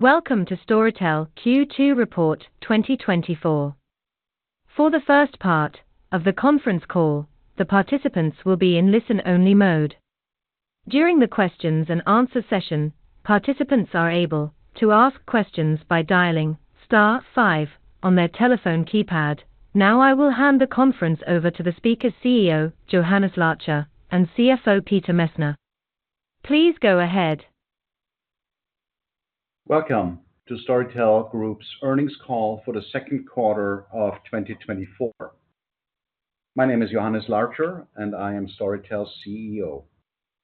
Welcome to Storytel Q2 Report 2024. For the first part of the conference call, the participants will be in listen-only mode. During the Q&A session, participants are able to ask questions by dialing *5 on their telephone keypad. Now I will hand the conference over to the speakers, CEO Johannes Larcher and CFO Peter Messner. Please go ahead. Welcome to Storytel Group's earnings call for the second quarter of 2024. My name is Johannes Larcher, and I am Storytel's CEO.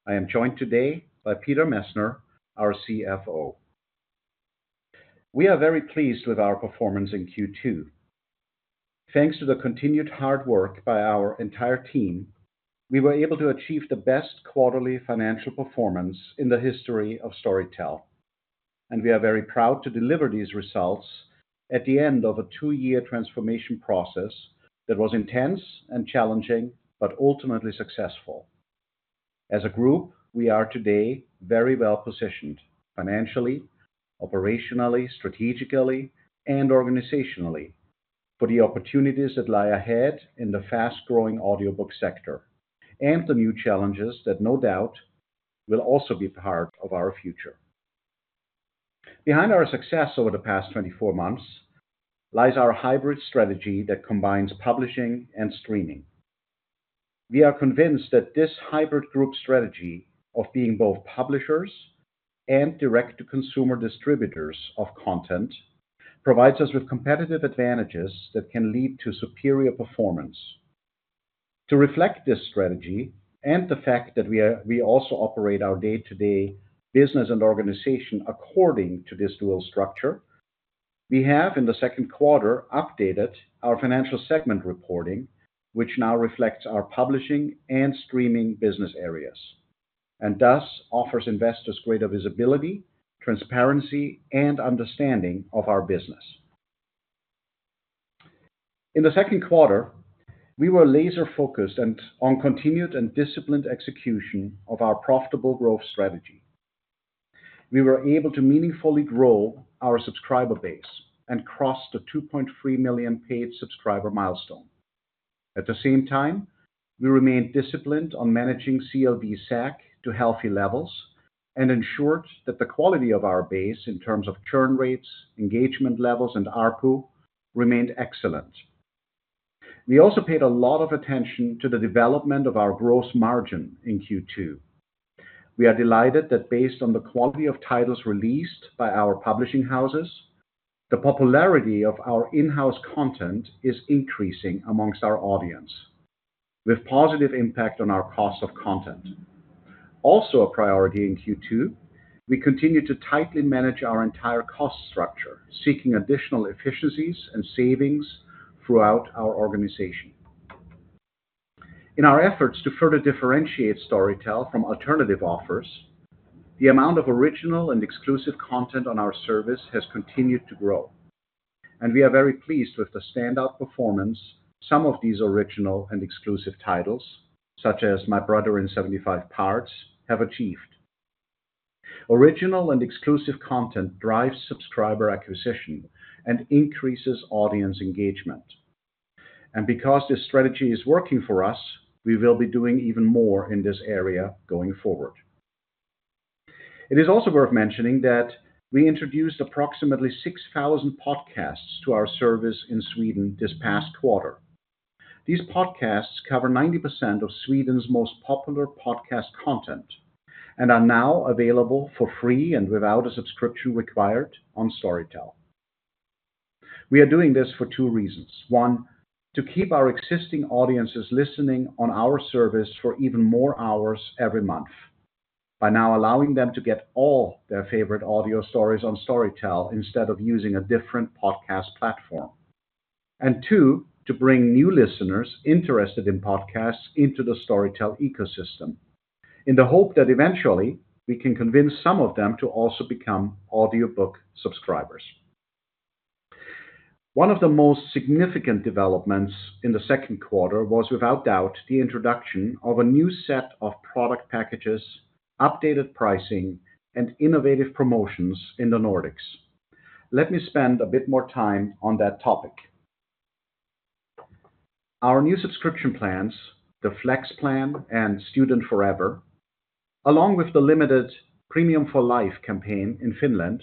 I am joined today by Peter Messner, our CFO. We are very pleased with our performance in Q2. Thanks to the continued hard work by our entire team, we were able to achieve the best quarterly financial performance in the history of Storytel, and we are very proud to deliver these results at the end of a 2-year transformation process that was intense and challenging but ultimately successful. As a group, we are today very well positioned financially, operationally, strategically, and organizationally for the opportunities that lie ahead in the fast-growing audiobook sector and the new challenges that, no doubt, will also be part of our future. Behind our success over the past 24 months lies our hybrid strategy that combines publishing and streaming. We are convinced that this hybrid group strategy of being both publishers and direct-to-consumer distributors of content provides us with competitive advantages that can lead to superior performance. To reflect this strategy and the fact that we also operate our day-to-day business and organization according to this dual structure, we have, in the second quarter, updated our financial segment reporting, which now reflects our publishing and streaming business areas and thus offers investors greater visibility, transparency, and understanding of our business. In the second quarter, we were laser-focused on continued and disciplined execution of our profitable growth strategy. We were able to meaningfully grow our subscriber base and cross the 2.3 million paid subscriber milestone. At the same time, we remained disciplined on managing CLV/SAC to healthy levels and ensured that the quality of our base in terms of churn rates, engagement levels, and ARPU remained excellent. We also paid a lot of attention to the development of our gross margin in Q2. We are delighted that, based on the quality of titles released by our publishing houses, the popularity of our in-house content is increasing among our audience, with positive impact on our cost of content. Also, a priority in Q2, we continue to tightly manage our entire cost structure, seeking additional efficiencies and savings throughout our organization. In our efforts to further differentiate Storytel from alternative offers, the amount of original and exclusive content on our service has continued to grow, and we are very pleased with the standout performance some of these original and exclusive titles, such as My Brother in 75 Parts, have achieved. Original and exclusive content drives subscriber acquisition and increases audience engagement. And because this strategy is working for us, we will be doing even more in this area going forward. It is also worth mentioning that we introduced approximately 6,000 podcasts to our service in Sweden this past quarter. These podcasts cover 90% of Sweden's most popular podcast content and are now available for free and without a subscription required on Storytel. We are doing this for two reasons. One, to keep our existing audiences listening on our service for even more hours every month, by now allowing them to get all their favorite audio stories on Storytel instead of using a different podcast platform. And two, to bring new listeners interested in podcasts into the Storytel ecosystem in the hope that eventually we can convince some of them to also become audiobook subscribers. One of the most significant developments in the second quarter was, without doubt, the introduction of a new set of product packages, updated pricing, and innovative promotions in the Nordics. Let me spend a bit more time on that topic. Our new subscription plans, the Flex plan and Student Forever, along with the limited Premium for Life campaign in Finland,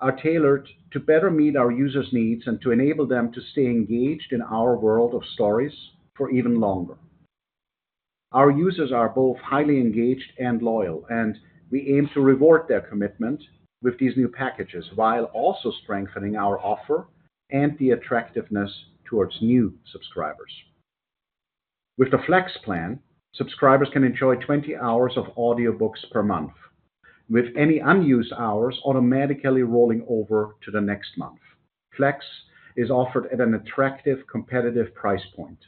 are tailored to better meet our users' needs and to enable them to stay engaged in our world of stories for even longer. Our users are both highly engaged and loyal, and we aim to reward their commitment with these new packages while also strengthening our offer and the attractiveness towards new subscribers. With the Flex plan, subscribers can enjoy 20 hours of audiobooks per month, with any unused hours automatically rolling over to the next month. Flex is offered at an attractive, competitive price point.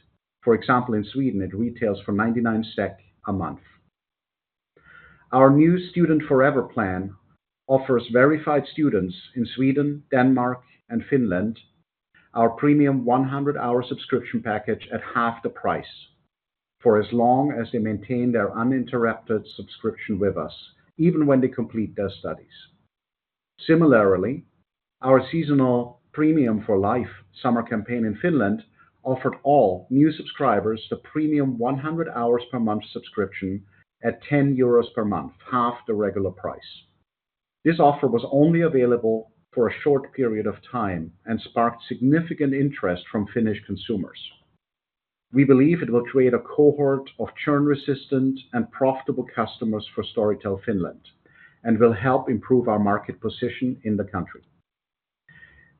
For example, in Sweden, it retails for 99 SEK a month. Our new Student Forever plan offers verified students in Sweden, Denmark, and Finland our premium 100-hour subscription package at half the price for as long as they maintain their uninterrupted subscription with us, even when they complete their studies. Similarly, our seasonal Premium for Life summer campaign in Finland offered all new subscribers the premium 100-hour-per-month subscription at 10 euros per month, half the regular price. This offer was only available for a short period of time and sparked significant interest from Finnish consumers. We believe it will create a cohort of churn-resistant and profitable customers for Storytel Finland and will help improve our market position in the country.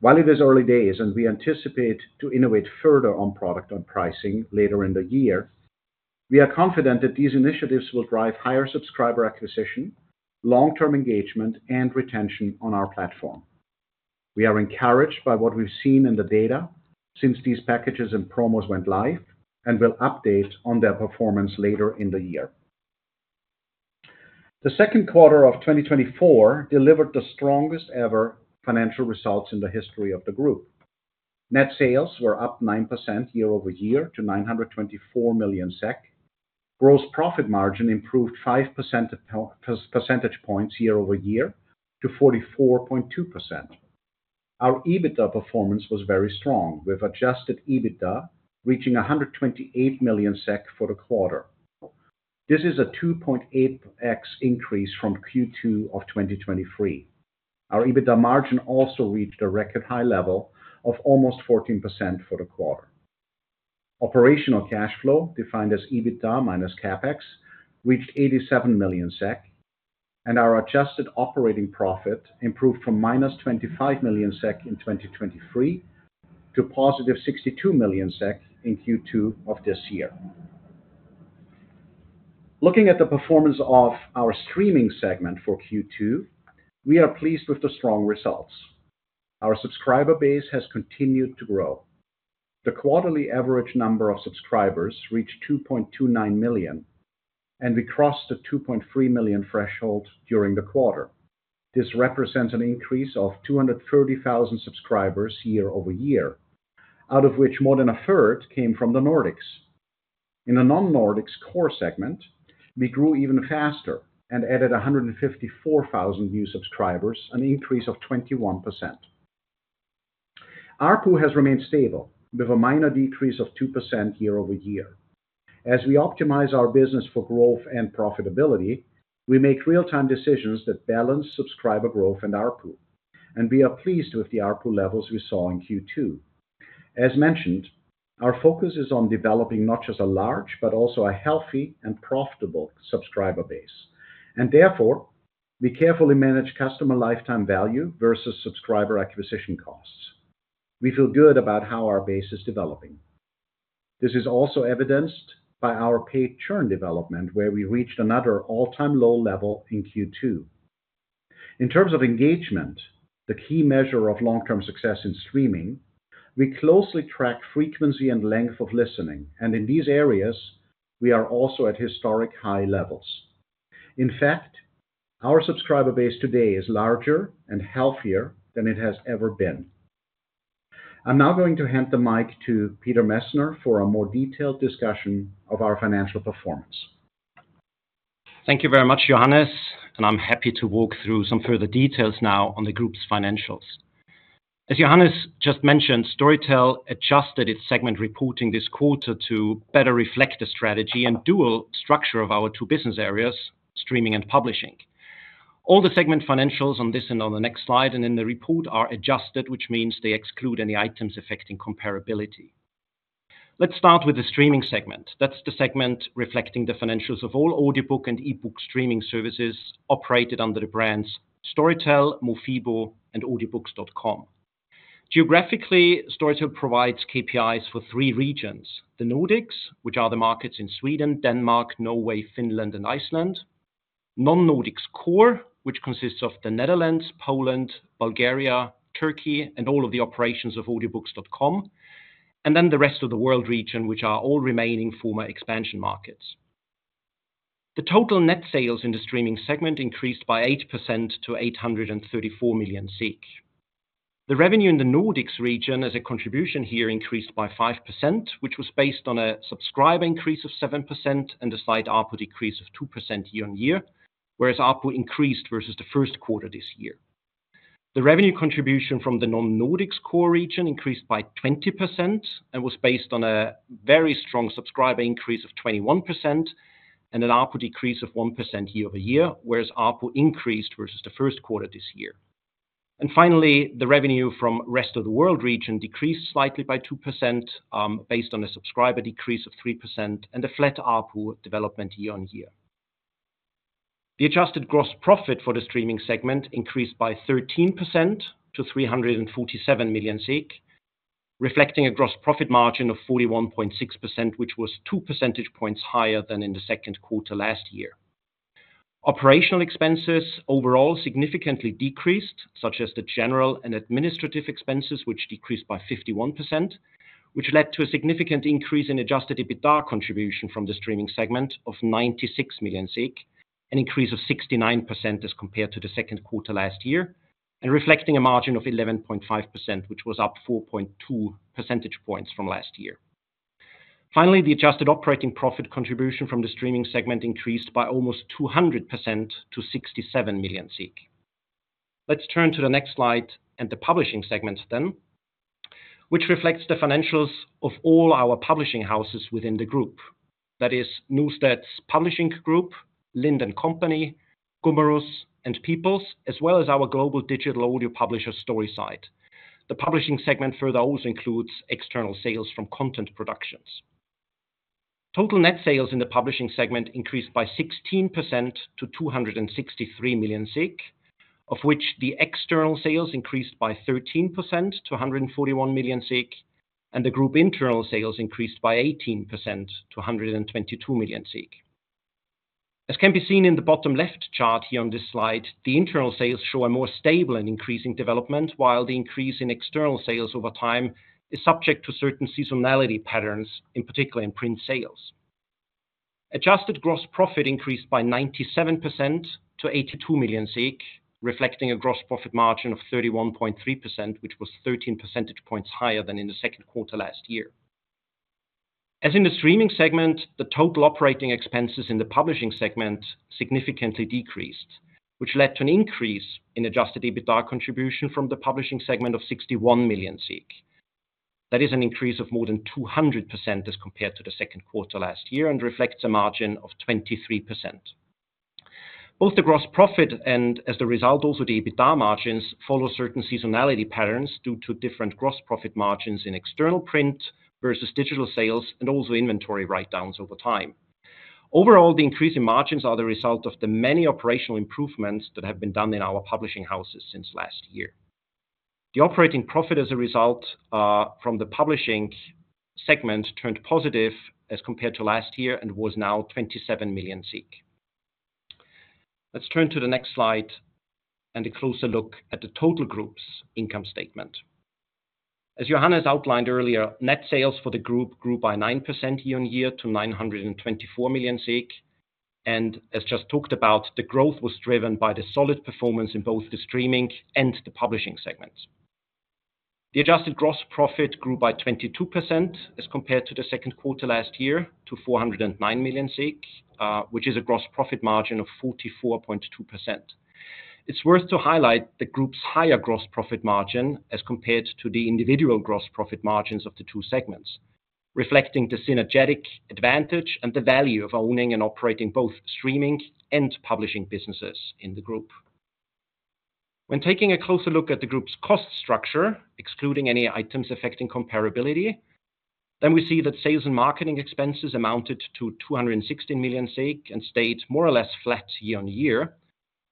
While it is early days and we anticipate to innovate further on product and pricing later in the year, we are confident that these initiatives will drive higher subscriber acquisition, long-term engagement, and retention on our platform. We are encouraged by what we've seen in the data since these packages and promos went live and will update on their performance later in the year. The second quarter of 2024 delivered the strongest-ever financial results in the history of the group. Net sales were up 9% year-over- year to 924 million SEK. Gross profit margin improved 5 percentage points year-over-year to 44.2%. Our EBITDA performance was very strong, with adjusted EBITDA reaching 128 million SEK for the quarter. This is a 2.8x increase from Q2 of 2023. Our EBITDA margin also reached a record high level of almost 14% for the quarter. Operational cash flow, defined as EBITDA minus CapEx, reached 87 million SEK, and our adjusted operating profit improved from -25 million SEK in 2023 to +62 million SEK in Q2 of this year. Looking at the performance of our streaming segment for Q2, we are pleased with the strong results. Our subscriber base has continued to grow. The quarterly average number of subscribers reached 2.29 million, and we crossed the 2.3 million threshold during the quarter. This represents an increase of 230,000 subscribers year-over-year, out of which more than a third came from the Nordics. In the Non-Nordics Core segment, we grew even faster and added 154,000 new subscribers, an increase of 21%. ARPU has remained stable, with a minor decrease of 2% year-over-year. As we optimize our business for growth and profitability, we make real-time decisions that balance subscriber growth and ARPU, and we are pleased with the ARPU levels we saw in Q2. As mentioned, our focus is on developing not just a large, but also a healthy and profitable subscriber base. And therefore, we carefully manage customer lifetime value versus subscriber acquisition costs. We feel good about how our base is developing. This is also evidenced by our paid churn development, where we reached another all-time low level in Q2. In terms of engagement, the key measure of long-term success in streaming, we closely track frequency and length of listening, and in these areas, we are also at historic high levels. In fact, our subscriber base today is larger and healthier than it has ever been. I'm now going to hand the mic to Peter Messner for a more detailed discussion of our financial performance. Thank you very much, Johannes, and I'm happy to walk through some further details now on the group's financials. As Johannes just mentioned, Storytel adjusted its segment reporting this quarter to better reflect the strategy and dual structure of our two business areas, streaming and publishing. All the segment financials on this and on the next slide and in the report are adjusted, which means they exclude any items affecting comparability. Let's start with the streaming segment. That's the segment reflecting the financials of all audiobook and e-book streaming services operated under the brands Storytel, Mofibo, and Audiobooks.com. Geographically, Storytel provides KPIs for three regions: the Nordics, which are the markets in Sweden, Denmark, Norway, Finland, and Iceland; Non-Nordics Core, which consists of the Netherlands, Poland, Bulgaria, Turkey, and all of the operations of Audiobooks.com; and then the Rest of the World region, which are all remaining former expansion markets. The total net sales in the streaming segment increased by 8% to 834 million. The revenue in the Nordics region, as a contribution here, increased by 5%, which was based on a subscriber increase of 7% and a slight ARPU decrease of 2% year-over-year, whereas ARPU increased versus the first quarter this year. The revenue contribution from the Non-Nordics Core region increased by 20% and was based on a very strong subscriber increase of 21% and an ARPU decrease of 1% year-over-year, whereas ARPU increased versus the first quarter this year. Finally, the revenue from the Rest of the World region decreased slightly by 2% based on a subscriber decrease of 3% and a flat ARPU development year-over-year. The adjusted gross profit for the streaming segment increased by 13% to 347 million, reflecting a gross profit margin of 41.6%, which was 2 percentage points higher than in the second quarter last year. Operational expenses overall significantly decreased, such as the general and administrative expenses, which decreased by 51%, which led to a significant increase in adjusted EBITDA contribution from the streaming segment of 96 million, an increase of 69% as compared to the second quarter last year, and reflecting a margin of 11.5%, which was up 4.2 percentage points from last year. Finally, the adjusted operating profit contribution from the streaming segment increased by almost 200% to 67 million. Let's turn to the next slide and the publishing segment then, which reflects the financials of all our publishing houses within the group. That is Norstedts Förlagsgrupp, Lind & Co, Gummerus, and People's, as well as our global digital audio publisher, Storyside. The publishing segment further also includes external sales from content productions. Total net sales in the publishing segment increased by 16% to 263 million, of which the external sales increased by 13% to 141 million, and the group internal sales increased by 18% to 122 million. As can be seen in the bottom-left chart here on this slide, the internal sales show a more stable and increasing development, while the increase in external sales over time is subject to certain seasonality patterns, in particular in print sales. Adjusted gross profit increased by 97% to 82 million, reflecting a gross profit margin of 31.3%, which was 13 percentage points higher than in the second quarter last year. As in the streaming segment, the total operating expenses in the publishing segment significantly decreased, which led to an increase in adjusted EBITDA contribution from the publishing segment of 61 million. That is an increase of more than 200% as compared to the second quarter last year and reflects a margin of 23%. Both the gross profit and, as a result, also the EBITDA margins follow certain seasonality patterns due to different gross profit margins in external print versus digital sales and also inventory write-downs over time. Overall, the increase in margins is the result of the many operational improvements that have been done in our publishing houses since last year. The operating profit, as a result, from the publishing segment turned positive as compared to last year and was now 27 million. Let's turn to the next slide and a closer look at the total group's income statement. As Johannes outlined earlier, net sales for the group grew by 9% year-on-year to 924 million, and as just talked about, the growth was driven by the solid performance in both the streaming and the publishing segments. The adjusted gross profit grew by 22% as compared to the second quarter last year to 409 million, which is a gross profit margin of 44.2%. It's worth to highlight the group's higher gross profit margin as compared to the individual gross profit margins of the two segments, reflecting the synergetic advantage and the value of owning and operating both streaming and publishing businesses in the group. When taking a closer look at the group's cost structure, excluding any items affecting comparability, then we see that sales and marketing expenses amounted to 216 million and stayed more or less flat year on year,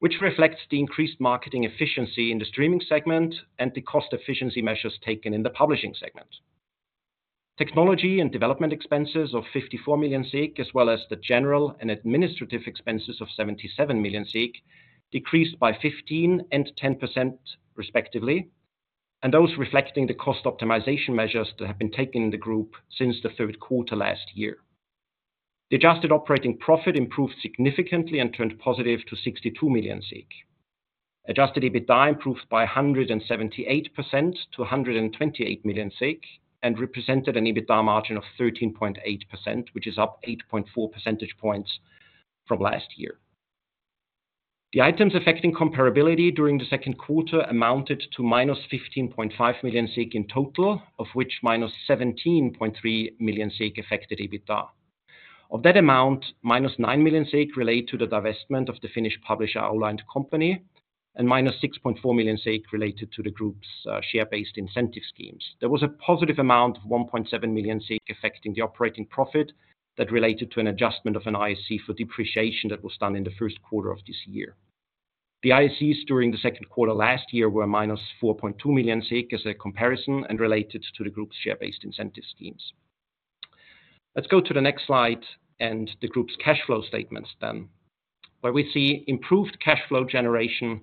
which reflects the increased marketing efficiency in the streaming segment and the cost efficiency measures taken in the publishing segment. Technology and development expenses of 54 million, as well as the general and administrative expenses of 77 million, decreased by 15% and 10% respectively, and those reflecting the cost optimization measures that have been taken in the group since the third quarter last year. The adjusted operating profit improved significantly and turned positive to 62 million. Adjusted EBITDA improved by 178% to 128 million and represented an EBITDA margin of 13.8%, which is up 8.4 percentage points from last year. The items affecting comparability during the second quarter amounted to -15.5 million in total, of which -17.3 million affected EBITDA. Of that amount, -9 million related to the divestment of the Finnish publisher Aula & Co, and -6.4 million related to the group's share-based incentive schemes. There was a positive amount of 1.7 million affecting the operating profit that related to an adjustment of an IAC for depreciation that was done in the first quarter of this year. The IACs during the second quarter last year were -4.2 million as a comparison and related to the group's share-based incentive schemes. Let's go to the next slide and the group's cash flow statements then, where we see improved cash flow generation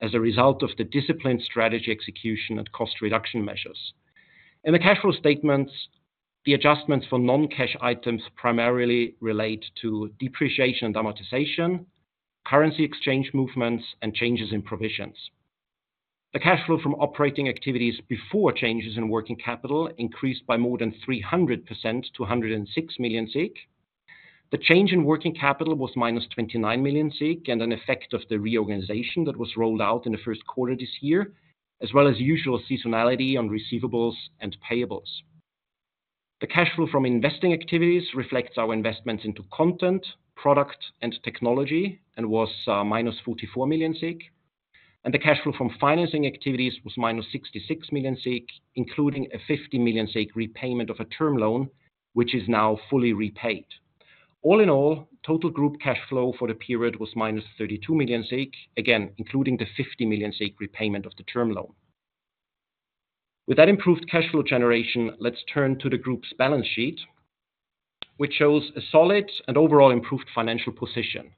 as a result of the disciplined strategy execution and cost reduction measures. In the cash flow statements, the adjustments for non-cash items primarily relate to depreciation and amortization, currency exchange movements, and changes in provisions. The cash flow from operating activities before changes in working capital increased by more than 300% to 106 million. The change in working capital was -29 million and an effect of the reorganization that was rolled out in the first quarter this year, as well as usual seasonality on receivables and payables. The cash flow from investing activities reflects our investments into content, product, and technology and was -44 million, and the cash flow from financing activities was -66 million, including a 50 million repayment of a term loan, which is now fully repaid. All in all, total group cash flow for the period was -32 million, again, including the 50 million repayment of the term loan. With that improved cash flow generation, let's turn to the group's balance sheet, which shows a solid and overall improved financial position.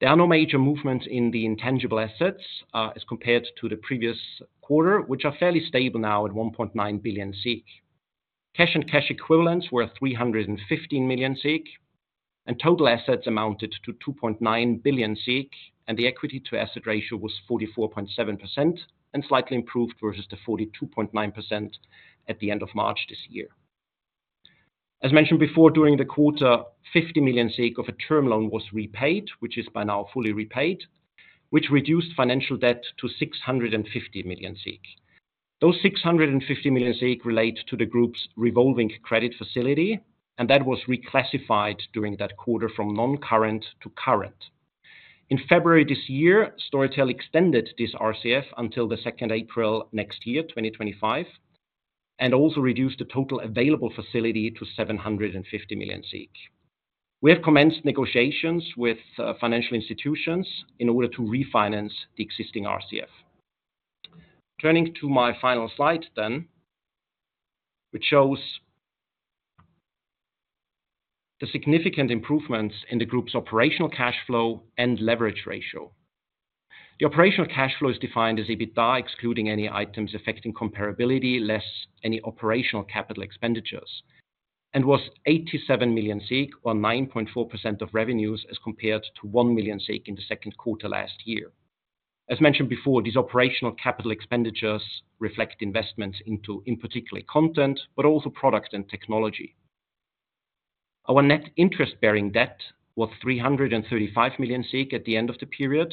There are no major movements in the intangible assets as compared to the previous quarter, which are fairly stable now at 1.9 billion. Cash and cash equivalents were 315 million, and total assets amounted to 2.9 billion, and the equity-to-asset ratio was 44.7% and slightly improved versus the 42.9% at the end of March this year. As mentioned before, during the quarter, 50 million of a term loan was repaid, which is by now fully repaid, which reduced financial debt to 650 million. Those 650 million relate to the group's revolving credit facility, and that was reclassified during that quarter from non-current to current. In February this year, Storytel extended this RCF until the 2nd of April next year, 2025, and also reduced the total available facility to 750 million. We have commenced negotiations with financial institutions in order to refinance the existing RCF. Turning to my final slide then, which shows the significant improvements in the group's operational cash flow and leverage ratio. The operational cash flow is defined as EBITDA, excluding any items affecting comparability, less any operational capital expenditures, and was 87 million, or 9.4% of revenues as compared to 1 million in the second quarter last year. As mentioned before, these operational capital expenditures reflect investments into, in particular, content, but also product and technology. Our net interest-bearing debt was 335 million at the end of the period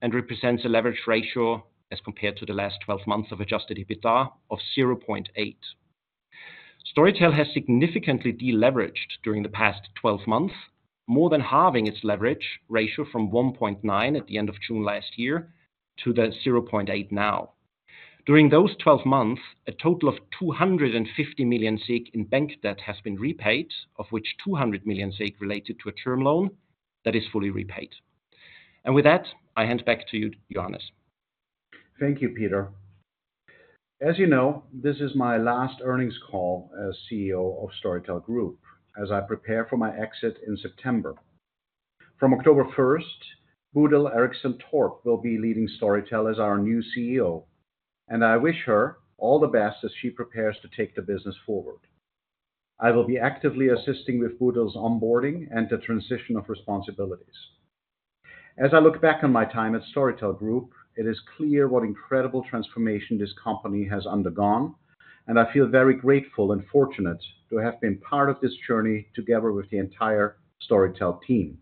and represents a leverage ratio as compared to the last 12 months of adjusted EBITDA of 0.8. Storytel has significantly deleveraged during the past 12 months, more than halving its leverage ratio from 1.9 at the end of June last year to the 0.8 now. During those 12 months, a total of 250 million in bank debt has been repaid, of which 200 million related to a term loan that is fully repaid. With that, I hand back to you, Johannes. Thank you, Peter. As you know, this is my last earnings call as CEO of Storytel Group as I prepare for my exit in September. From October 1st, Bodil Ericsson Torp will be leading Storytel as our new CEO, and I wish her all the best as she prepares to take the business forward. I will be actively assisting with Bodil's onboarding and the transition of responsibilities. As I look back on my time at Storytel Group, it is clear what incredible transformation this company has undergone, and I feel very grateful and fortunate to have been part of this journey together with the entire Storytel team.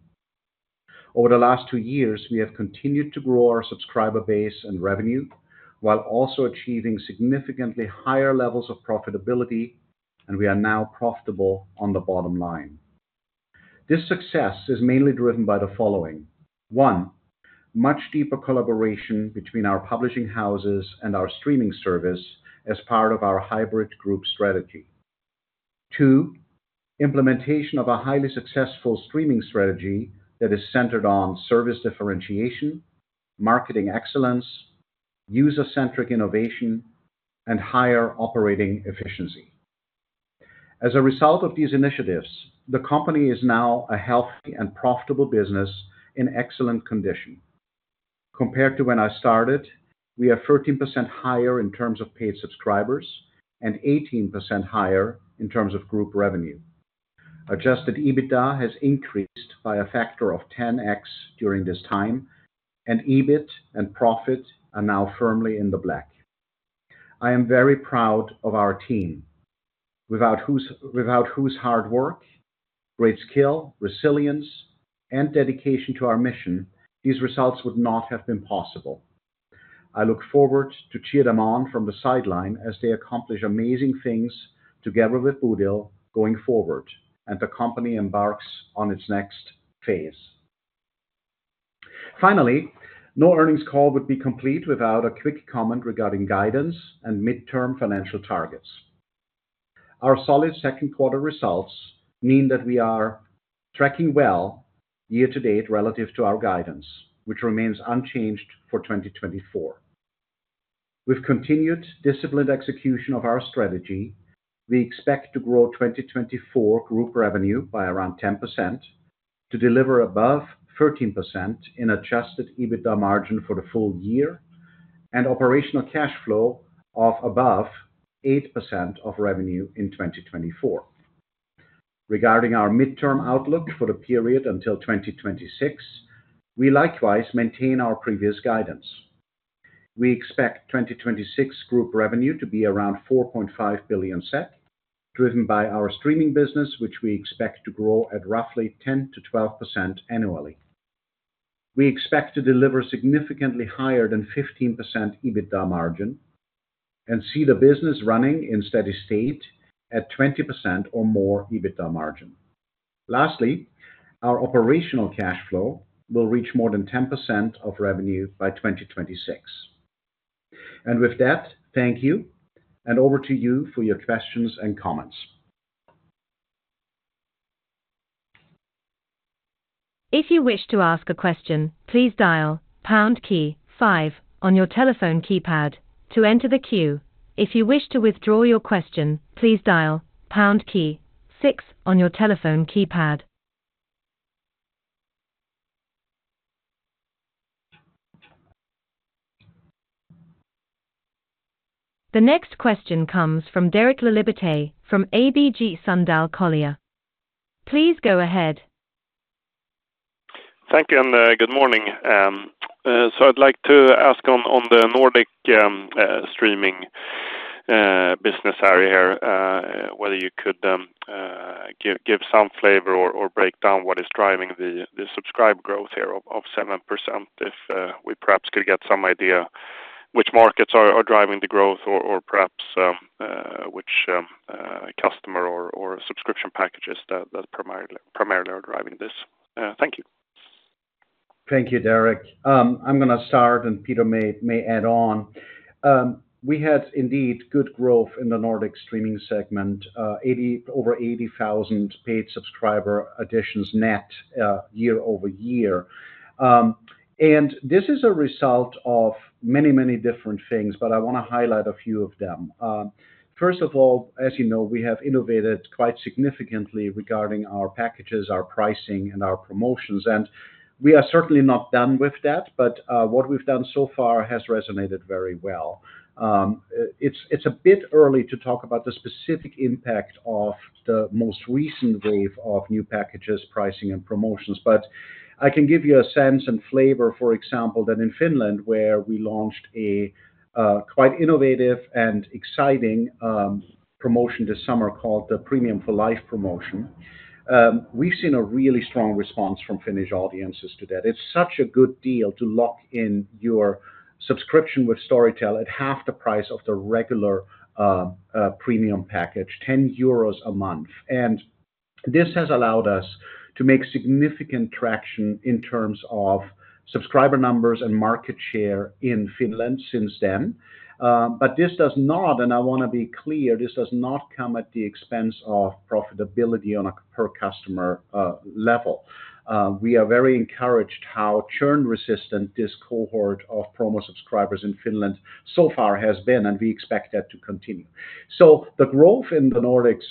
Over the last two years, we have continued to grow our subscriber base and revenue while also achieving significantly higher levels of profitability, and we are now profitable on the bottom line. This success is mainly driven by the following: one, much deeper collaboration between our publishing houses and our streaming service as part of our hybrid group strategy. Two, implementation of a highly successful streaming strategy that is centered on service differentiation, marketing excellence, user-centric innovation, and higher operating efficiency. As a result of these initiatives, the company is now a healthy and profitable business in excellent condition. Compared to when I started, we are 13% higher in terms of paid subscribers and 18% higher in terms of group revenue. Adjusted EBITDA has increased by a factor of 10x during this time, and EBIT and profit are now firmly in the black. I am very proud of our team, without whose hard work, great skill, resilience, and dedication to our mission, these results would not have been possible. I look forward to cheering them on from the sideline as they accomplish amazing things together with Bodil going forward, and the company embarks on its next phase. Finally, no earnings call would be complete without a quick comment regarding guidance and midterm financial targets. Our solid second quarter results mean that we are tracking well year-to-date relative to our guidance, which remains unchanged for 2024. With continued discipline execution of our strategy, we expect to grow 2024 group revenue by around 10%, to deliver above 13% in Adjusted EBITDA margin for the full year, and operational cash flow of above 8% of revenue in 2024. Regarding our midterm outlook for the period until 2026, we likewise maintain our previous guidance. We expect 2026 group revenue to be around 4.5 billion SEK, driven by our streaming business, which we expect to grow at roughly 10%-12% annually. We expect to deliver significantly higher than 15% EBITDA margin and see the business running in steady state at 20% or more EBITDA margin. Lastly, our operational cash flow will reach more than 10% of revenue by 2026. And with that, thank you, and over to you for your questions and comments. If you wish to ask a question, please dial key 5 on your telephone keypad to enter the queue. If you wish to withdraw your question, please dial key 6 on your telephone keypad. The next question comes from Derek Laliberté from ABG Sundal Collier. Please go ahead. Thank you, and good morning. So I'd like to ask on the Nordic streaming business area here whether you could give some flavor or break down what is driving the subscriber growth here of 7%, if we perhaps could get some idea which markets are driving the growth or perhaps which customer or subscription packages that primarily are driving this. Thank you. Thank you, Derek. I'm going to start, and Peter may add on. We had indeed good growth in the Nordic streaming segment, over 80,000 paid subscriber additions net year-over-year. And this is a result of many, many different things, but I want to highlight a few of them. First of all, as you know, we have innovated quite significantly regarding our packages, our pricing, and our promotions. And we are certainly not done with that, but what we've done so far has resonated very well. It's a bit early to talk about the specific impact of the most recent wave of new packages, pricing, and promotions, but I can give you a sense and flavor, for example, that in Finland, where we launched a quite innovative and exciting promotion this summer called the Premium for Life promotion, we've seen a really strong response from Finnish audiences to that. It's such a good deal to lock in your subscription with Storytel at half the price of the regular premium package, 10 euros a month. And this has allowed us to make significant traction in terms of subscriber numbers and market share in Finland since then. But this does not, and I want to be clear, this does not come at the expense of profitability on a per-customer level. We are very encouraged how churn-resistant this cohort of promo subscribers in Finland so far has been, and we expect that to continue. So the growth in the Nordics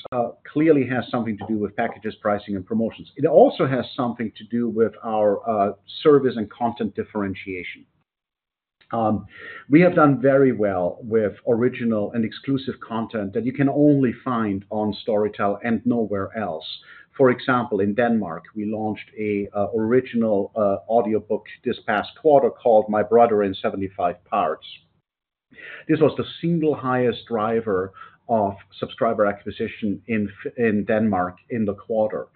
clearly has something to do with packages, pricing, and promotions. It also has something to do with our service and content differentiation. We have done very well with original and exclusive content that you can only find on Storytel and nowhere else. For example, in Denmark, we launched an original audiobook this past quarter called My Brother in 75 Parts. This was the single highest driver of subscriber acquisition in Denmark in the quarter.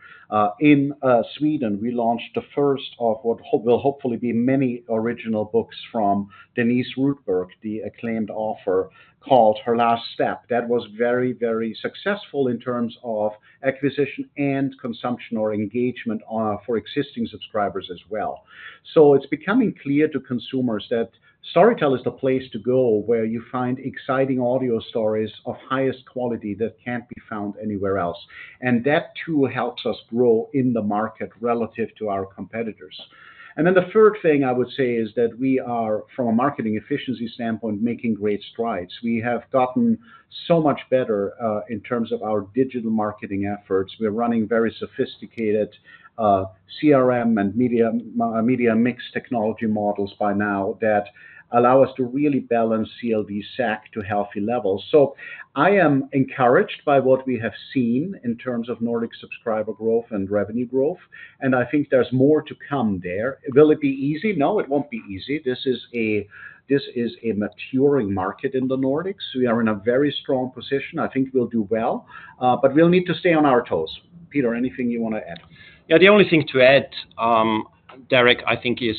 In Sweden, we launched the first of what will hopefully be many original books from Denise Rudberg, the acclaimed author, called Her Last Step. That was very, very successful in terms of acquisition and consumption or engagement for existing subscribers as well. So it's becoming clear to consumers that Storytel is the place to go where you find exciting audio stories of highest quality that can't be found anywhere else. That, too, helps us grow in the market relative to our competitors. Then the third thing I would say is that we are, from a marketing efficiency standpoint, making great strides. We have gotten so much better in terms of our digital marketing efforts. We're running very sophisticated CRM and media mix technology models by now that allow us to really balance CLV/SAC to healthy levels. So I am encouraged by what we have seen in terms of Nordic subscriber growth and revenue growth, and I think there's more to come there. Will it be easy? No, it won't be easy. This is a maturing market in the Nordics. We are in a very strong position. I think we'll do well, but we'll need to stay on our toes. Peter, anything you want to add? Yeah, the only thing to add, Derek, I think, is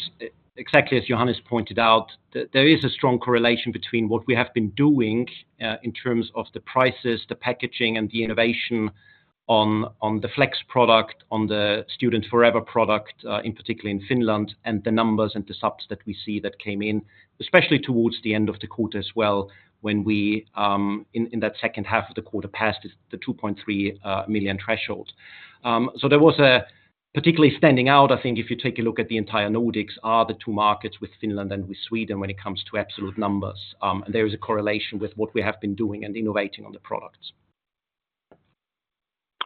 exactly as Johannes pointed out, there is a strong correlation between what we have been doing in terms of the prices, the packaging, and the innovation on the Flex product, on the Student Forever product, in particular in Finland, and the numbers and the subs that we see that came in, especially towards the end of the quarter as well, when we in that second half of the quarter passed the 2.3 million threshold. So there was a particularly standing out, I think, if you take a look at the entire Nordics, are the two markets with Finland and with Sweden when it comes to absolute numbers. There is a correlation with what we have been doing and innovating on the products.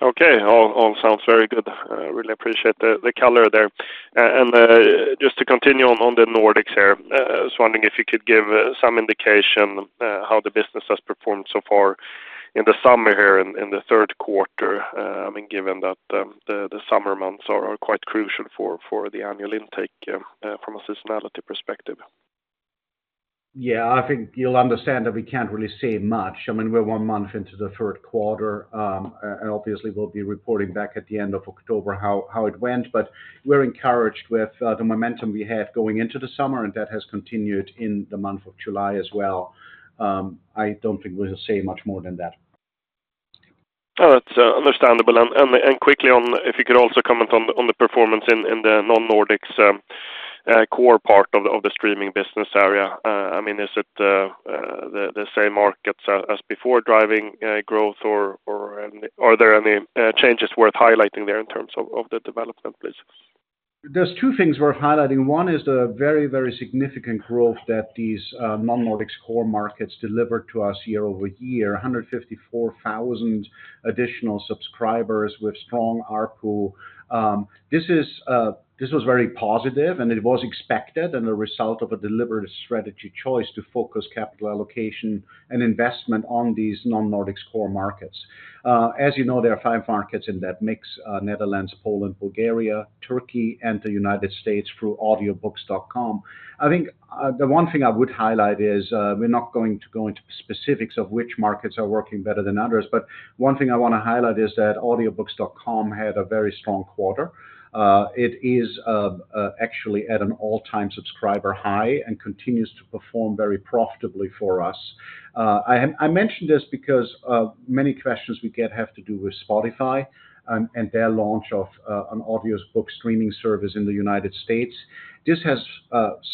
Okay, all sounds very good. I really appreciate the color there. Just to continue on the Nordics here, I was wondering if you could give some indication how the business has performed so far in the summer here in the third quarter, I mean, given that the summer months are quite crucial for the annual intake from a seasonality perspective. Yeah, I think you'll understand that we can't really say much. I mean, we're one month into the third quarter, and obviously, we'll be reporting back at the end of October how it went. But we're encouraged with the momentum we had going into the summer, and that has continued in the month of July as well. I don't think we'll say much more than that. That's understandable. Quickly, if you could also comment on the performance in the Non-Nordics Core part of the streaming business area. I mean, is it the same markets as before driving growth, or are there any changes worth highlighting there in terms of the development, please? There are two things worth highlighting. One is the very, very significant growth that these Non-Nordics Core markets delivered to us year-over-year: 154,000 additional subscribers with strong ARPU. This was very positive, and it was expected and a result of a deliberate strategy choice to focus capital allocation and investment on these Non-Nordics Core markets. As you know, there are five markets in that mix: Netherlands, Poland, Bulgaria, Turkey, and the United States through Audiobooks.com. I think the one thing I would highlight is we're not going to go into specifics of which markets are working better than others, but one thing I want to highlight is that Audiobooks.com had a very strong quarter. It is actually at an all-time subscriber high and continues to perform very profitably for us. I mentioned this because many questions we get have to do with Spotify and their launch of an audiobook streaming service in the United States. This has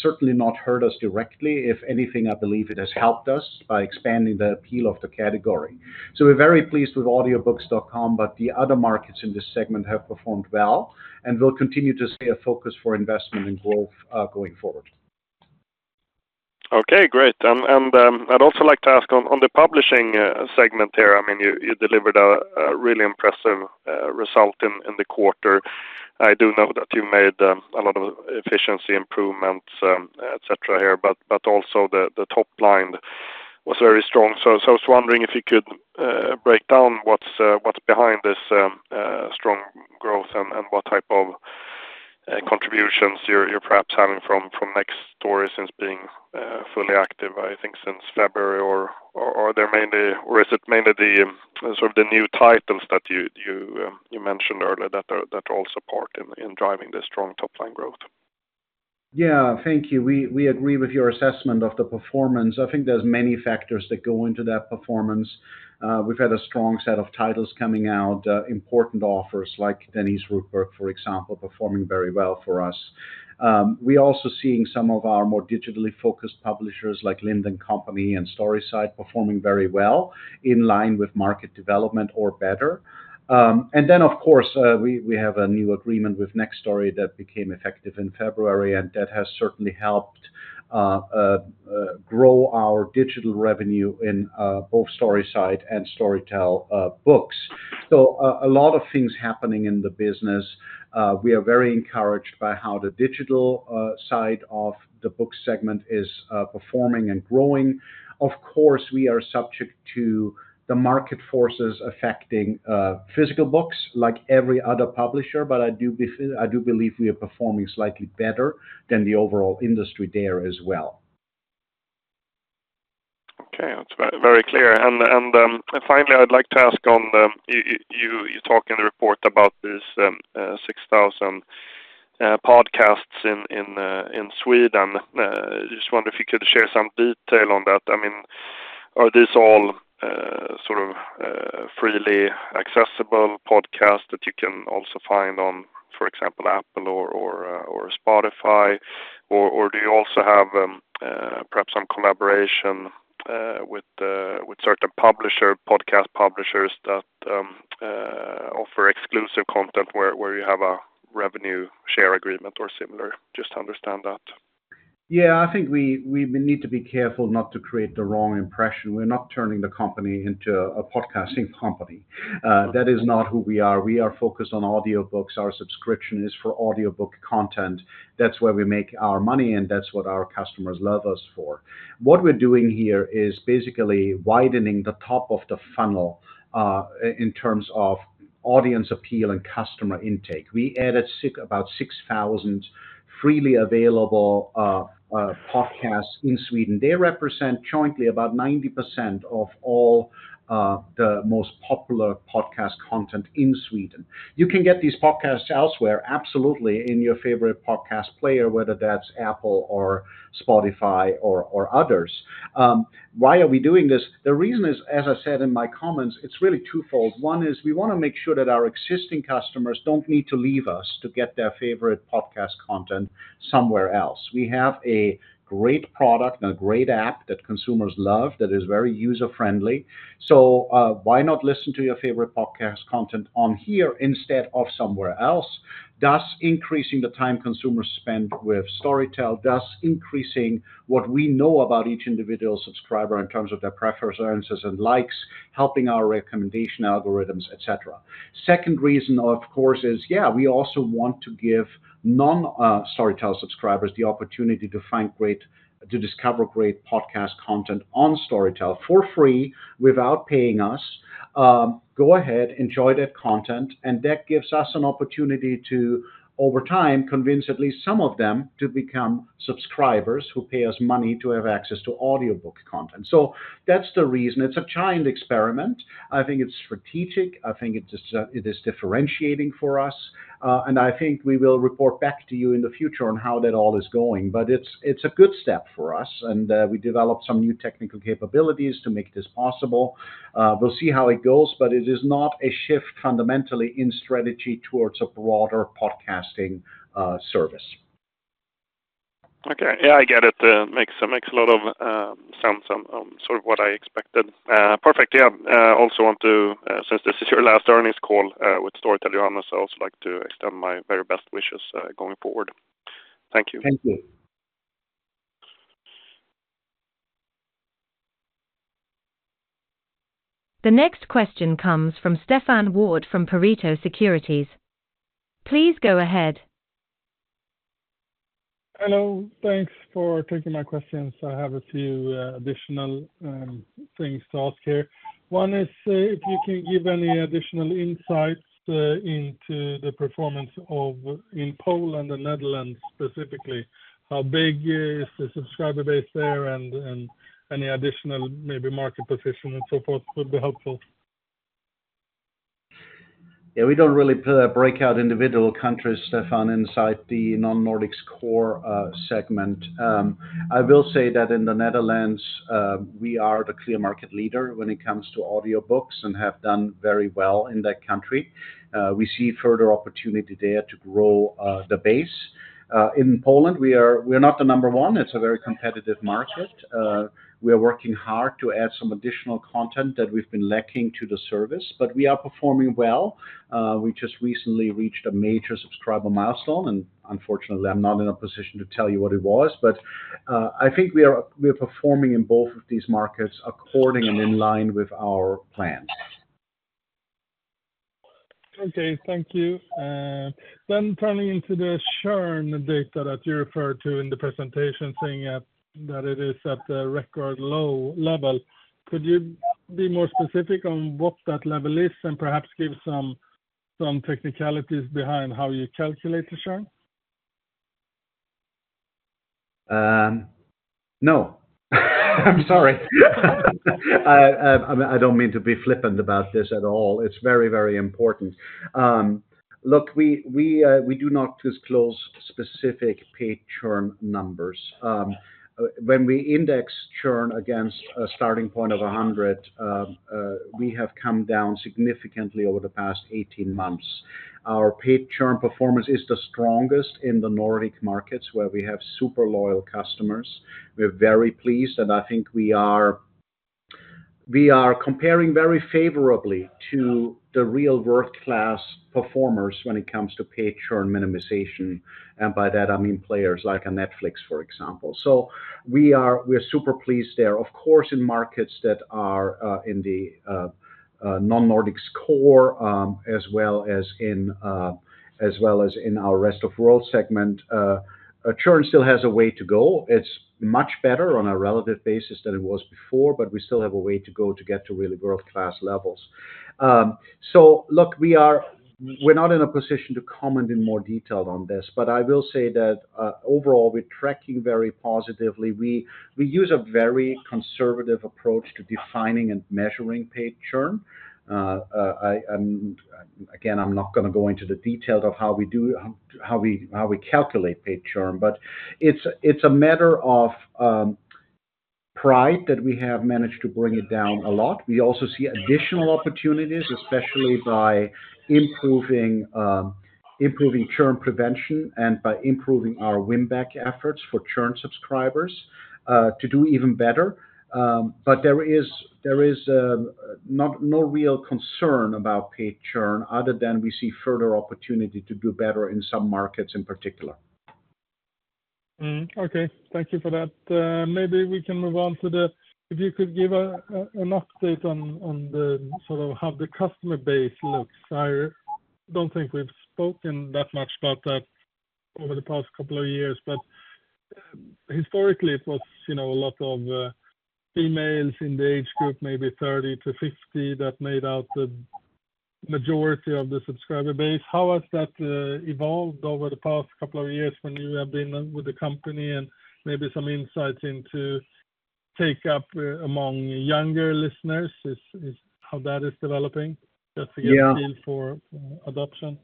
certainly not hurt us directly. If anything, I believe it has helped us by expanding the appeal of the category. So we're very pleased with Audiobooks.com, but the other markets in this segment have performed well and will continue to see a focus for investment and growth going forward. Okay, great. And I'd also like to ask on the publishing segment here. I mean, you delivered a really impressive result in the quarter. I do know that you made a lot of efficiency improvements, etc., here, but also the top line was very strong. So I was wondering if you could break down what's behind this strong growth and what type of contributions you're perhaps having from Nextory since being fully active, I think, since February. Or are there mainly, or is it mainly the sort of the new titles that you mentioned earlier that are also part in driving this strong top-line growth? Yeah, thank you. We agree with your assessment of the performance. I think there's many factors that go into that performance. We've had a strong set of titles coming out, important offers like Denise Rudberg, for example, performing very well for us. We're also seeing some of our more digitally focused publishers like Lind & Co and Storyside performing very well in line with market development or better. And then, of course, we have a new agreement with Nextory that became effective in February, and that has certainly helped grow our digital revenue in both Storyside and Storytel Books. So a lot of things happening in the business. We are very encouraged by how the digital side of the book segment is performing and growing. Of course, we are subject to the market forces affecting physical books like every other publisher, but I do believe we are performing slightly better than the overall industry there as well. Okay, that's very clear. And finally, I'd like to ask on you talk in the report about these 6,000 podcasts in Sweden. I just wonder if you could share some detail on that. I mean, are these all sort of freely accessible podcasts that you can also find on, for example, Apple or Spotify? Or do you also have perhaps some collaboration with certain podcast publishers that offer exclusive content where you have a revenue share agreement or similar? Just to understand that. Yeah, I think we need to be careful not to create the wrong impression. We're not turning the company into a podcasting company. That is not who we are. We are focused on audiobooks. Our subscription is for audiobook content. That's where we make our money, and that's what our customers love us for. What we're doing here is basically widening the top of the funnel in terms of audience appeal and customer intake. We added about 6,000 freely available podcasts in Sweden. They represent jointly about 90% of all the most popular podcast content in Sweden. You can get these podcasts elsewhere, absolutely, in your favorite podcast player, whether that's Apple or Spotify or others. Why are we doing this? The reason is, as I said in my comments, it's really twofold. One is we want to make sure that our existing customers don't need to leave us to get their favorite podcast content somewhere else. We have a great product and a great app that consumers love that is very user-friendly. So why not listen to your favorite podcast content on here instead of somewhere else? Thus, increasing the time consumers spend with Storytel does increase what we know about each individual subscriber in terms of their preferences, likes, helping our recommendation algorithms, etc. Second reason, of course, is, yeah, we also want to give non-Storytel subscribers the opportunity to discover great podcast content on Storytel for free without paying us. Go ahead, enjoy that content, and that gives us an opportunity to, over time, convince at least some of them to become subscribers who pay us money to have access to audiobook content. So that's the reason. It's a giant experiment. I think it's strategic. I think it is differentiating for us. And I think we will report back to you in the future on how that all is going. But it's a good step for us, and we developed some new technical capabilities to make this possible. We'll see how it goes, but it is not a shift fundamentally in strategy towards a broader podcasting service. Okay, yeah, I get it. It makes a lot of sense on sort of what I expected. Perfect. Yeah, I also want to, since this is your last earnings call with Storytel, Johannes, I also like to extend my very best wishes going forward. Thank you. Thank you. The next question comes from Stefan Wård from Pareto Securities. Please go ahead. Hello, thanks for taking my questions. I have a few additional things to ask here. One is if you can give any additional insights into the performance in Poland and Netherlands specifically. How big is the subscriber base there, and any additional maybe market position and so forth would be helpful. Yeah, we don't really break out individual countries, Stefan, inside the Non-Nordics Core segment. I will say that in the Netherlands, we are the clear market leader when it comes to audiobooks and have done very well in that country. We see further opportunity there to grow the base. In Poland, we are not the number one. It's a very competitive market. We are working hard to add some additional content that we've been lacking to the service, but we are performing well. We just recently reached a major subscriber milestone, and unfortunately, I'm not in a position to tell you what it was, but I think we are performing in both of these markets according and in line with our plan. Okay, thank you. Then turning into the churn data that you referred to in the presentation, saying that it is at a record low level. Could you be more specific on what that level is and perhaps give some technicalities behind how you calculate the churn? No. I'm sorry. I don't mean to be flippant about this at all. It's very, very important. Look, we do not disclose specific paid churn numbers. When we index churn against a starting point of 100, we have come down significantly over the past 18 months. Our paid churn performance is the strongest in the Nordic markets where we have super loyal customers. We're very pleased, and I think we are comparing very favorably to the real world-class performers when it comes to paid churn minimization. And by that, I mean players like Netflix, for example. So we are super pleased there. Of course, in markets that are in the Non-Nordics Core as well as in our Rest of World segment, churn still has a way to go. It's much better on a relative basis than it was before, but we still have a way to go to get to really world-class levels. So look, we're not in a position to comment in more detail on this, but I will say that overall, we're tracking very positively. We use a very conservative approach to defining and measuring paid churn. Again, I'm not going to go into the details of how we calculate paid churn, but it's a matter of pride that we have managed to bring it down a lot. We also see additional opportunities, especially by improving churn prevention and by improving our win-back efforts for churn subscribers to do even better. But there is no real concern about paid churn other than we see further opportunity to do better in some markets in particular. Okay, thank you for that. Maybe we can move on to the, if you could give an update on sort of how the customer base looks. I don't think we've spoken that much about that over the past couple of years, but historically, it was a lot of females in the age group, maybe 30-50, that made out the majority of the subscriber base. How has that evolved over the past couple of years when you have been with the company and maybe some insights into take up among younger listeners? How that is developing? Does it get appeal for adoption?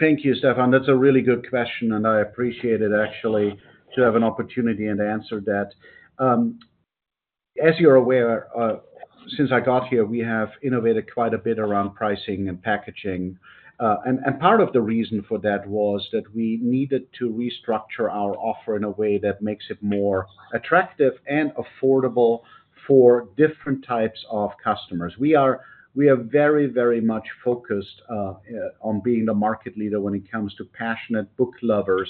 Thank you, Stefan. That's a really good question, and I appreciate it actually to have an opportunity and answer that. As you're aware, since I got here, we have innovated quite a bit around pricing and packaging. Part of the reason for that was that we needed to restructure our offer in a way that makes it more attractive and affordable for different types of customers. We are very, very much focused on being the market leader when it comes to passionate book lovers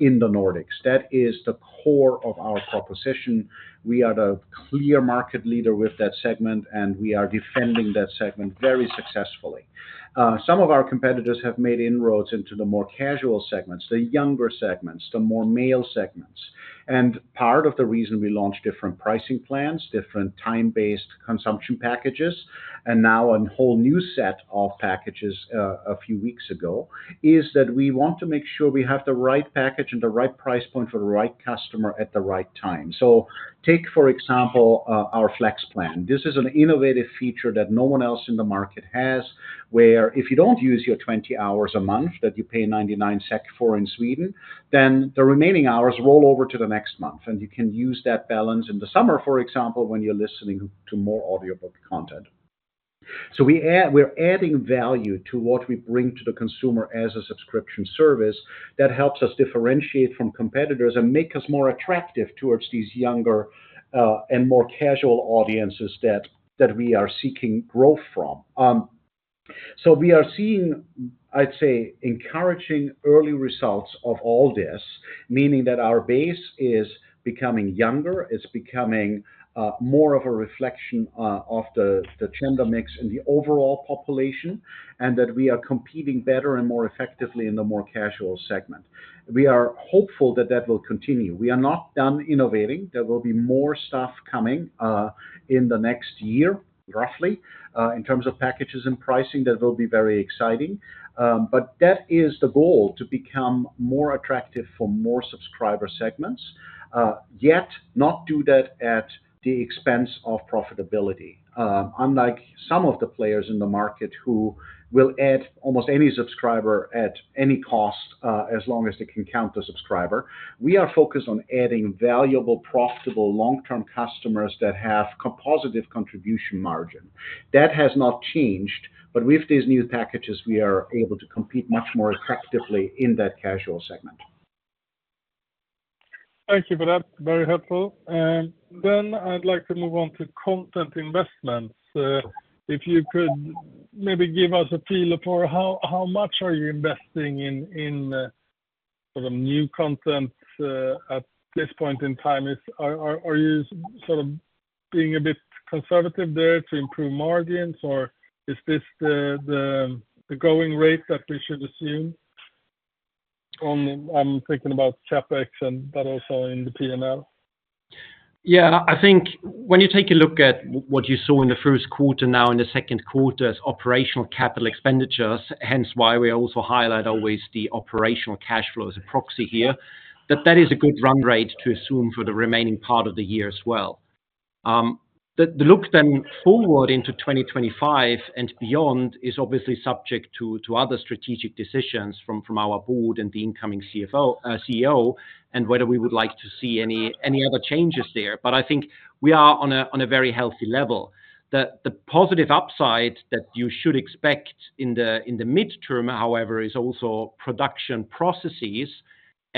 in the Nordics. That is the core of our proposition. We are the clear market leader with that segment, and we are defending that segment very successfully. Some of our competitors have made inroads into the more casual segments, the younger segments, the more male segments. And part of the reason we launched different pricing plans, different time-based consumption packages, and now a whole new set of packages a few weeks ago is that we want to make sure we have the right package and the right price point for the right customer at the right time. So take, for example, our Flex plan. This is an innovative feature that no one else in the market has where if you don't use your 20 hours a month that you pay 99 SEK for in Sweden, then the remaining hours roll over to the next month, and you can use that balance in the summer, for example, when you're listening to more audiobook content. So we're adding value to what we bring to the consumer as a subscription service that helps us differentiate from competitors and make us more attractive towards these younger and more casual audiences that we are seeking growth from. So we are seeing, I'd say, encouraging early results of all this, meaning that our base is becoming younger. It's becoming more of a reflection of the gender mix in the overall population and that we are competing better and more effectively in the more casual segment. We are hopeful that that will continue. We are not done innovating. There will be more stuff coming in the next year, roughly, in terms of packages and pricing that will be very exciting. But that is the goal, to become more attractive for more subscriber segments, yet not do that at the expense of profitability. Unlike some of the players in the market who will add almost any subscriber at any cost as long as they can count the subscriber, we are focused on adding valuable, profitable, long-term customers that have a positive contribution margin. That has not changed, but with these new packages, we are able to compete much more effectively in that casual segment. Thank you for that. Very helpful. Then I'd like to move on to content investments. If you could maybe give us a feel for how much are you investing in sort of new content at this point in time, are you sort of being a bit conservative there to improve margins, or is this the going rate that we should assume? I'm thinking about CapEx, but also in the P&L. Yeah, I think when you take a look at what you saw in the first quarter, now in the second quarter's operational capital expenditures, hence why we also highlight always the operational cash flow as a proxy here, that that is a good run rate to assume for the remaining part of the year as well. The look then forward into 2025 and beyond is obviously subject to other strategic decisions from our board and the incoming CEO and whether we would like to see any other changes there. But I think we are on a very healthy level. The positive upside that you should expect in the midterm, however, is also production processes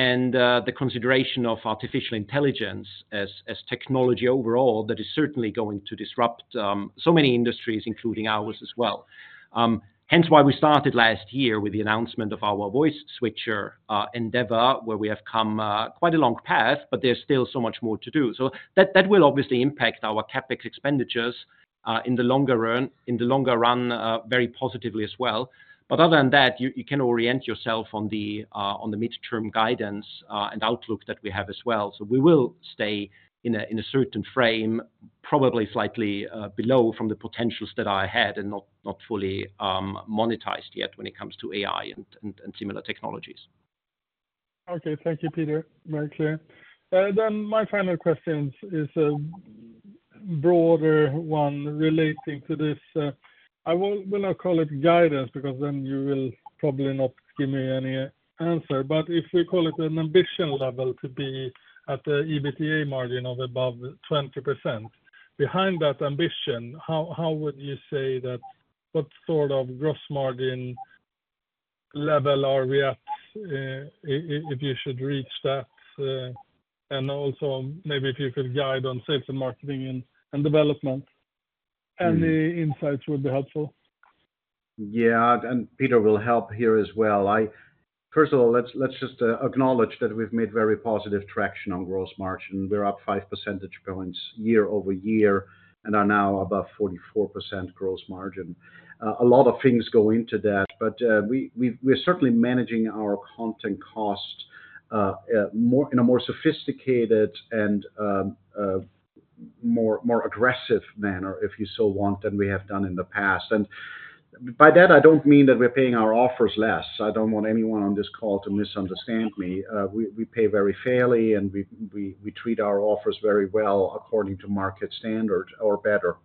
and the consideration of artificial intelligence as technology overall that is certainly going to disrupt so many industries, including ours as well. Hence why we started last year with the announcement of our VoiceSwitcher endeavor, where we have come quite a long path, but there's still so much more to do. So that will obviously impact our CapEx expenditures in the longer run very positively as well. But other than that, you can orient yourself on the midterm guidance and outlook that we have as well. So we will stay in a certain frame, probably slightly below from the potentials that I had and not fully monetized yet when it comes to AI and similar technologies. Okay, thank you, Peter. Very clear. Then my final question is a broader one relating to this. I will not call it guidance because then you will probably not give me any answer, but if we call it an ambition level to be at the EBITDA margin of above 20%, behind that ambition, how would you say that what sort of gross margin level are we at if you should reach that? And also maybe if you could guide on sales and marketing and development, any insights would be helpful. Yeah, and Peter will help here as well. First of all, let's just acknowledge that we've made very positive traction on gross margin. We're up five percentage points year-over-year and are now above 44% gross margin. A lot of things go into that, but we're certainly managing our content cost in a more sophisticated and more aggressive manner, if you so want, than we have done in the past. And by that, I don't mean that we're paying our authors less. I don't want anyone on this call to misunderstand me. We pay very fairly, and we treat our authors very well according to market standard or better.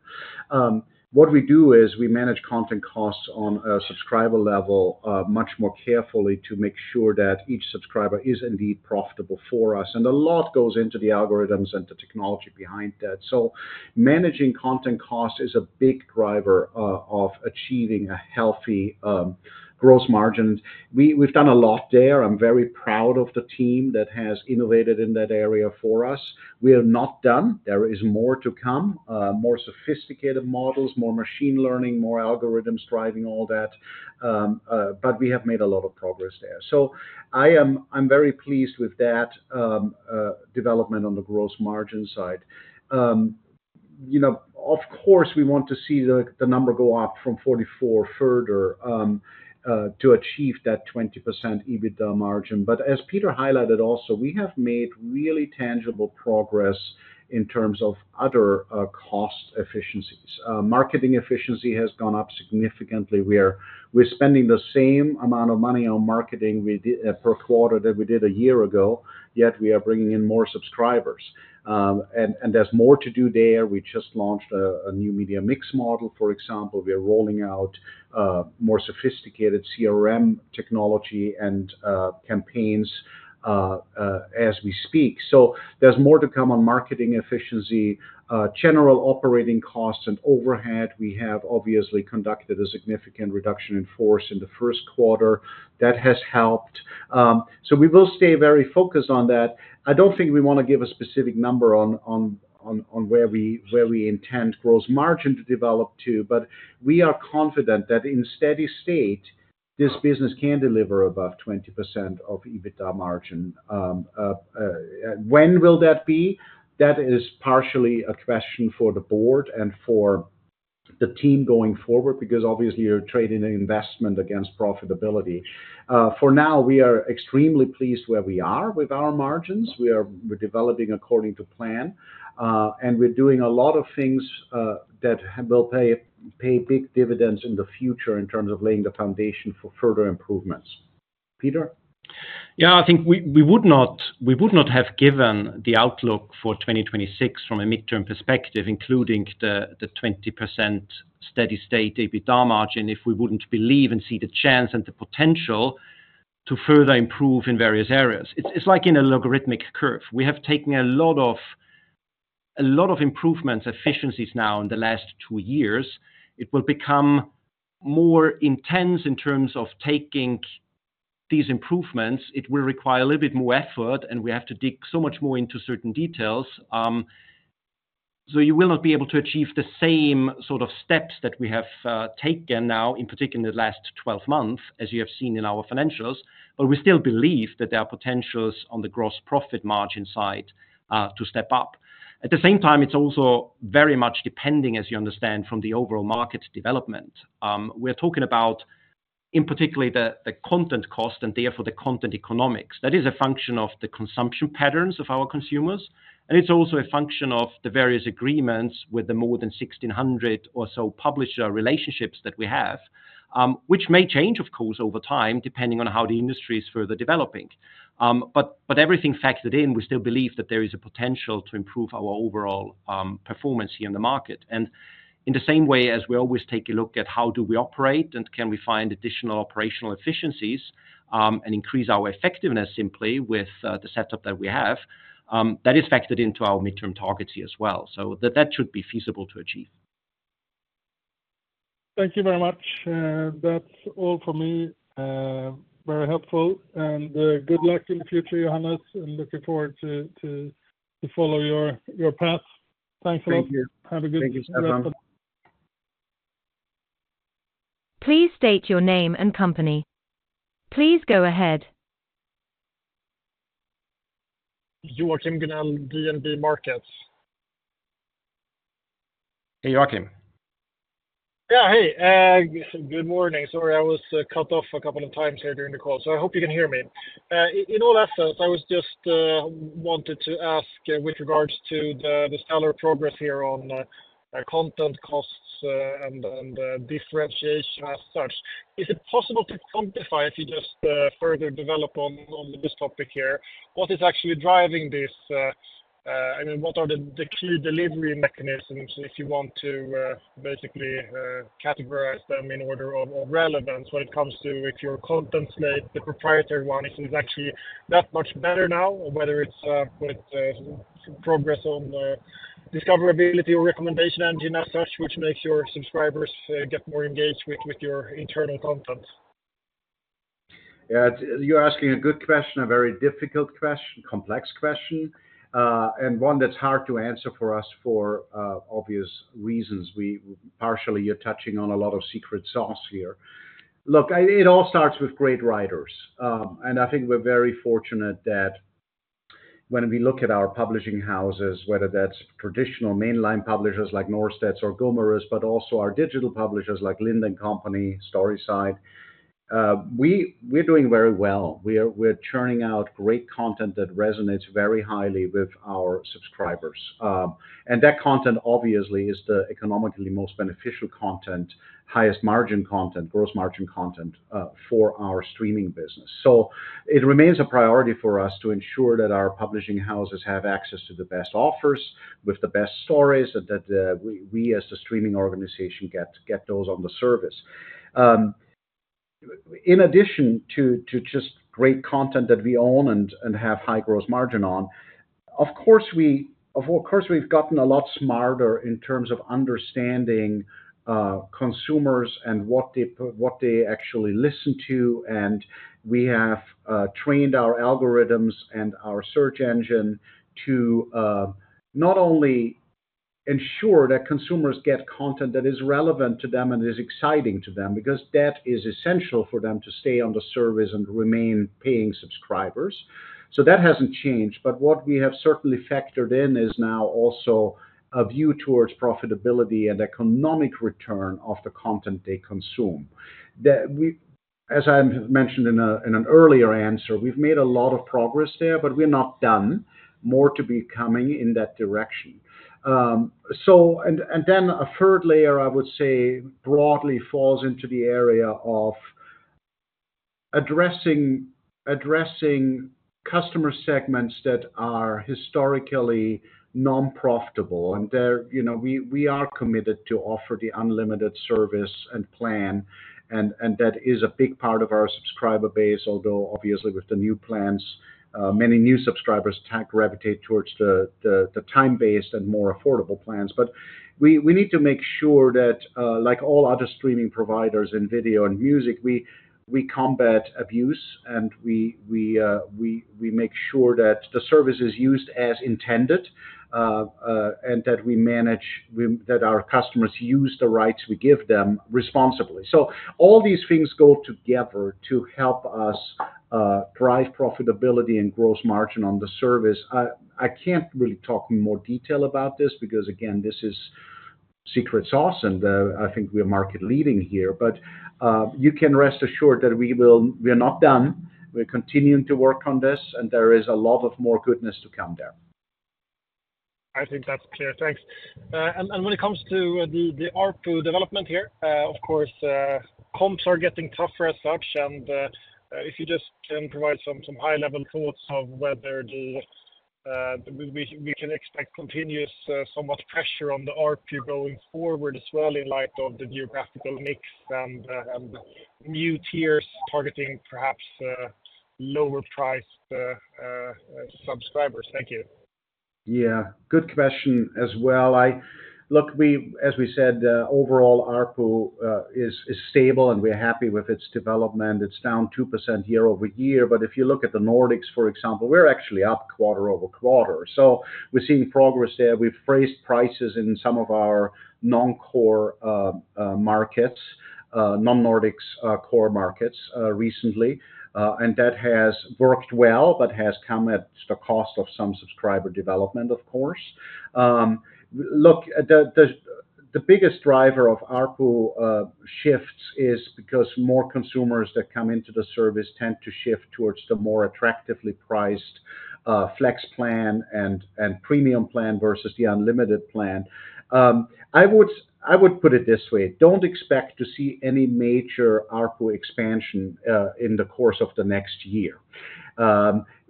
What we do is we manage content costs on a subscriber level much more carefully to make sure that each subscriber is indeed profitable for us. And a lot goes into the algorithms and the technology behind that. So managing content costs is a big driver of achieving a healthy gross margin. We've done a lot there. I'm very proud of the team that has innovated in that area for us. We are not done. There is more to come: more sophisticated models, more machine learning, more algorithms driving all that. But we have made a lot of progress there. So I'm very pleased with that development on the gross margin side. Of course, we want to see the number go up from 44% further to achieve that 20% EBITDA margin. But as Peter highlighted also, we have made really tangible progress in terms of other cost efficiencies. Marketing efficiency has gone up significantly. We're spending the same amount of money on marketing per quarter that we did a year ago, yet we are bringing in more subscribers. And there's more to do there. We just launched a new media mix model, for example. We are rolling out more sophisticated CRM technology and campaigns as we speak. So there's more to come on marketing efficiency, general operating costs, and overhead. We have obviously conducted a significant reduction in force in the first quarter. That has helped. So we will stay very focused on that. I don't think we want to give a specific number on where we intend gross margin to develop to, but we are confident that in steady state, this business can deliver above 20% of EBITDA margin. When will that be? That is partially a question for the board and for the team going forward because obviously, you're trading investment against profitability. For now, we are extremely pleased where we are with our margins. We're developing according to plan, and we're doing a lot of things that will pay big dividends in the future in terms of laying the foundation for further improvements. Peter? Yeah, I think we would not have given the outlook for 2026 from a midterm perspective, including the 20% steady state EBITDA margin, if we wouldn't believe and see the chance and the potential to further improve in various areas. It's like in a logarithmic curve. We have taken a lot of improvements, efficiencies now in the last two years. It will become more intense in terms of taking these improvements. It will require a little bit more effort, and we have to dig so much more into certain details. So you will not be able to achieve the same sort of steps that we have taken now, in particular in the last 12 months, as you have seen in our financials. But we still believe that there are potentials on the gross profit margin side to step up. At the same time, it's also very much depending, as you understand, from the overall market development. We're talking about, in particular, the content cost and therefore the content economics. That is a function of the consumption patterns of our consumers, and it's also a function of the various agreements with the more than 1,600 or so publisher relationships that we have, which may change, of course, over time depending on how the industry is further developing. Everything factored in, we still believe that there is a potential to improve our overall performance here in the market. In the same way as we always take a look at how do we operate and can we find additional operational efficiencies and increase our effectiveness simply with the setup that we have, that is factored into our midterm targets here as well. That should be feasible to achieve. Thank you very much. That's all for me. Very helpful. And good luck in the future, Johannes. I'm looking forward to follow your path. Thanks a lot. Thank you. Have a good day. Thank you so much. Please state your name and company. Please go ahead. Joachim Gunell, DNB Markets. Hey, Joachim. Yeah, hey. Good morning. Sorry, I was cut off a couple of times here during the call, so I hope you can hear me. In all essence, I just wanted to ask with regards to the stellar progress here on content costs and differentiation as such. Is it possible to quantify, if you just further develop on this topic here, what is actually driving this? I mean, what are the key delivery mechanisms if you want to basically categorize them in order of relevance when it comes to if your content state, the proprietary one, is actually that much better now, whether it's with progress on discoverability or recommendation engine as such, which makes your subscribers get more engaged with your internal content? Yeah, you're asking a good question, a very difficult question, complex question, and one that's hard to answer for us for obvious reasons. Partially, you're touching on a lot of secret sauce here. Look, it all starts with great writers. And I think we're very fortunate that when we look at our publishing houses, whether that's traditional mainline publishers like Norstedts or Gummerus, but also our digital publishers like Lind & Co, Storyside, we're doing very well. We're churning out great content that resonates very highly with our subscribers. That content, obviously, is the economically most beneficial content, highest margin content, gross margin content for our streaming business. So it remains a priority for us to ensure that our publishing houses have access to the best offers with the best stories and that we, as the streaming organization, get those on the service. In addition to just great content that we own and have high gross margin on, of course, we've gotten a lot smarter in terms of understanding consumers and what they actually listen to. And we have trained our algorithms and our search engine to not only ensure that consumers get content that is relevant to them and is exciting to them because that is essential for them to stay on the service and remain paying subscribers. So that hasn't changed. But what we have certainly factored in is now also a view towards profitability and economic return of the content they consume. As I mentioned in an earlier answer, we've made a lot of progress there, but we're not done. More to be coming in that direction. And then a third layer, I would say, broadly falls into the area of addressing customer segments that are historically non-profitable. And we are committed to offer the Unlimited service and plan, and that is a big part of our subscriber base, although obviously, with the new plans, many new subscribers gravitate towards the time-based and more affordable plans. But we need to make sure that, like all other streaming providers in video and music, we combat abuse, and we make sure that the service is used as intended and that our customers use the rights we give them responsibly. So all these things go together to help us drive profitability and gross margin on the service. I can't really talk in more detail about this because, again, this is secret sauce, and I think we are market-leading here. But you can rest assured that we are not done. We're continuing to work on this, and there is a lot of more goodness to come there. I think that's clear. Thanks. And when it comes to the ARPU development here, of course, comps are getting tougher as such. And if you just can provide some high-level thoughts of whether we can expect continuous somewhat pressure on the ARPU going forward as well in light of the geographical mix and new tiers targeting perhaps lower-priced subscribers? Thank you. Yeah. Good question as well. Look, as we said, overall, ARPU is stable, and we're happy with its development. It's down 2% year-over-year. But if you look at the Nordics, for example, we're actually up quarter-over-quarter. So we're seeing progress there. We've raised prices in some of our non-core markets, Non-Nordics Core markets recently. And that has worked well, but has come at the cost of some subscriber development, of course. Look, the biggest driver of ARPU shifts is because more consumers that come into the service tend to shift towards the more attractively priced Flex plan and Premium plan versus the Unlimited plan. I would put it this way: don't expect to see any major ARPU expansion in the course of the next year.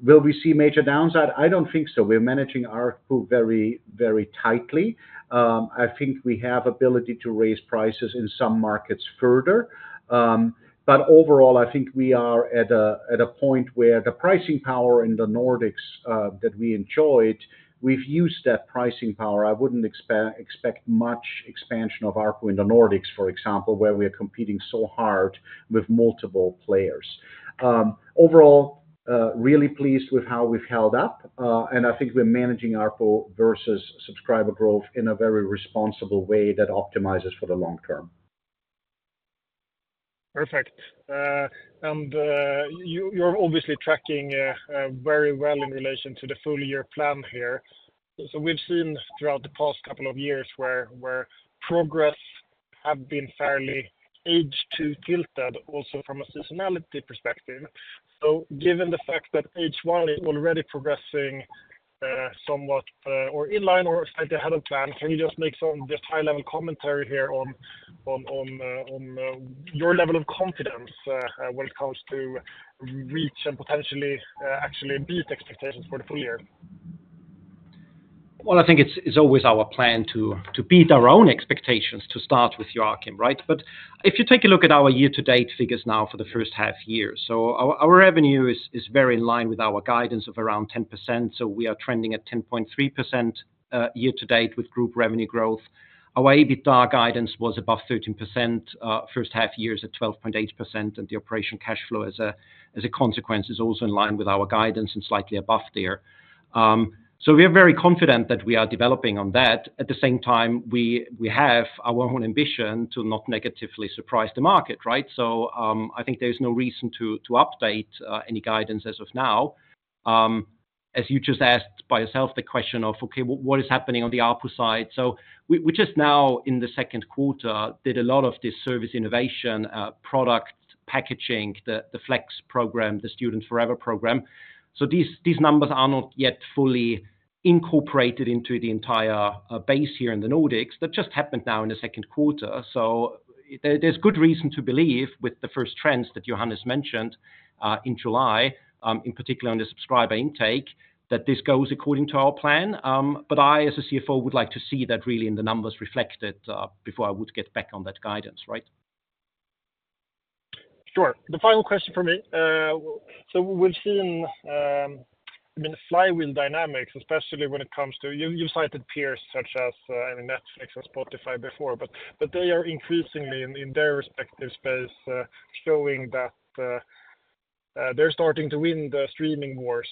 Will we see major downside? I don't think so. We're managing ARPU very, very tightly. I think we have the ability to raise prices in some markets further. Overall, I think we are at a point where the pricing power in the Nordics that we enjoyed, we've used that pricing power. I wouldn't expect much expansion of ARPU in the Nordics, for example, where we are competing so hard with multiple players. Overall, really pleased with how we've held up. I think we're managing ARPU versus subscriber growth in a very responsible way that optimizes for the long term. Perfect. You're obviously tracking very well in relation to the full-year plan here. We've seen throughout the past couple of years where progress has been fairly H2 tilted also from a seasonality perspective. So given the fact that H1 is already progressing somewhat in line or slightly ahead of plan, can you just make some just high-level commentary here on your level of confidence when it comes to reach and potentially actually beat expectations for the full year? Well, I think it's always our plan to beat our own expectations to start with, Joachim right? But if you take a look at our year-to-date figures now for the first half year, so our revenue is very in line with our guidance of around 10%. So we are trending at 10.3% year-to-date with group revenue growth. Our EBITDA guidance was above 13% first half year at 12.8%. And the operational cash flow, as a consequence, is also in line with our guidance and slightly above there. So we are very confident that we are developing on that. At the same time, we have our own ambition to not negatively surprise the market, right? So I think there's no reason to update any guidance as of now. As you just asked by yourself the question of, "Okay, what is happening on the ARPU side?" So we just now, in the second quarter, did a lot of this service innovation product packaging, the Flex plan, the Student Forever program. So these numbers are not yet fully incorporated into the entire base here in the Nordics. That just happened now in the second quarter. So there's good reason to believe with the first trends that Johannes mentioned in July, in particular on the subscriber intake, that this goes according to our plan. But I, as a CFO, would like to see that really in the numbers reflected before I would get back on that guidance, right? Sure. The final question for me. So we've seen, I mean, flywheel dynamics, especially when it comes to you've cited peers such as Netflix and Spotify before, but they are increasingly in their respective space showing that they're starting to win the streaming wars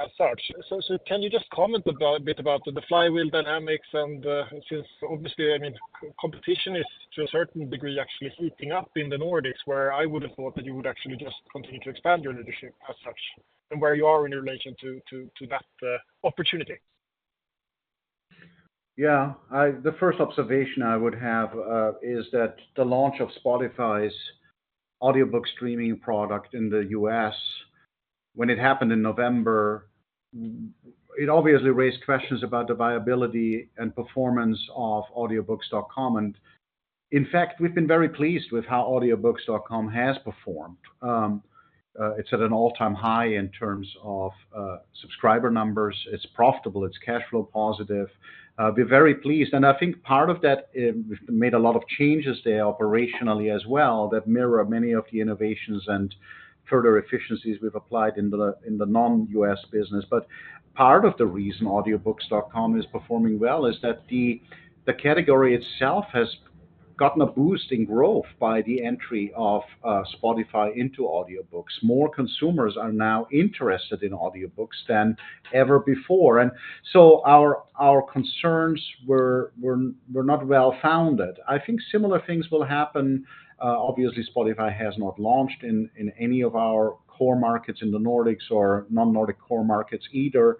as such. So can you just comment a bit about the flywheel dynamics? And since obviously, I mean, competition is to a certain degree actually heating up in the Nordics, where I would have thought that you would actually just continue to expand your leadership as such and where you are in relation to that opportunity. Yeah. The first observation I would have is that the launch of Spotify's audiobook streaming product in the U.S., when it happened in November, it obviously raised questions about the viability and performance of Audiobooks.com. And in fact, we've been very pleased with how Audiobooks.com has performed. It's at an all-time high in terms of subscriber numbers. It's profitable. It's cash flow positive. We're very pleased. And I think part of that, we've made a lot of changes there operationally as well that mirror many of the innovations and further efficiencies we've applied in the non-U.S. business. But part of the reason Audiobooks.com is performing well is that the category itself has gotten a boost in growth by the entry of Spotify into audiobooks. More consumers are now interested in audiobooks than ever before. And so our concerns were not well-founded. I think similar things will happen. Obviously, Spotify has not launched in any of our core markets in the Nordics or Non-Nordic Core markets either.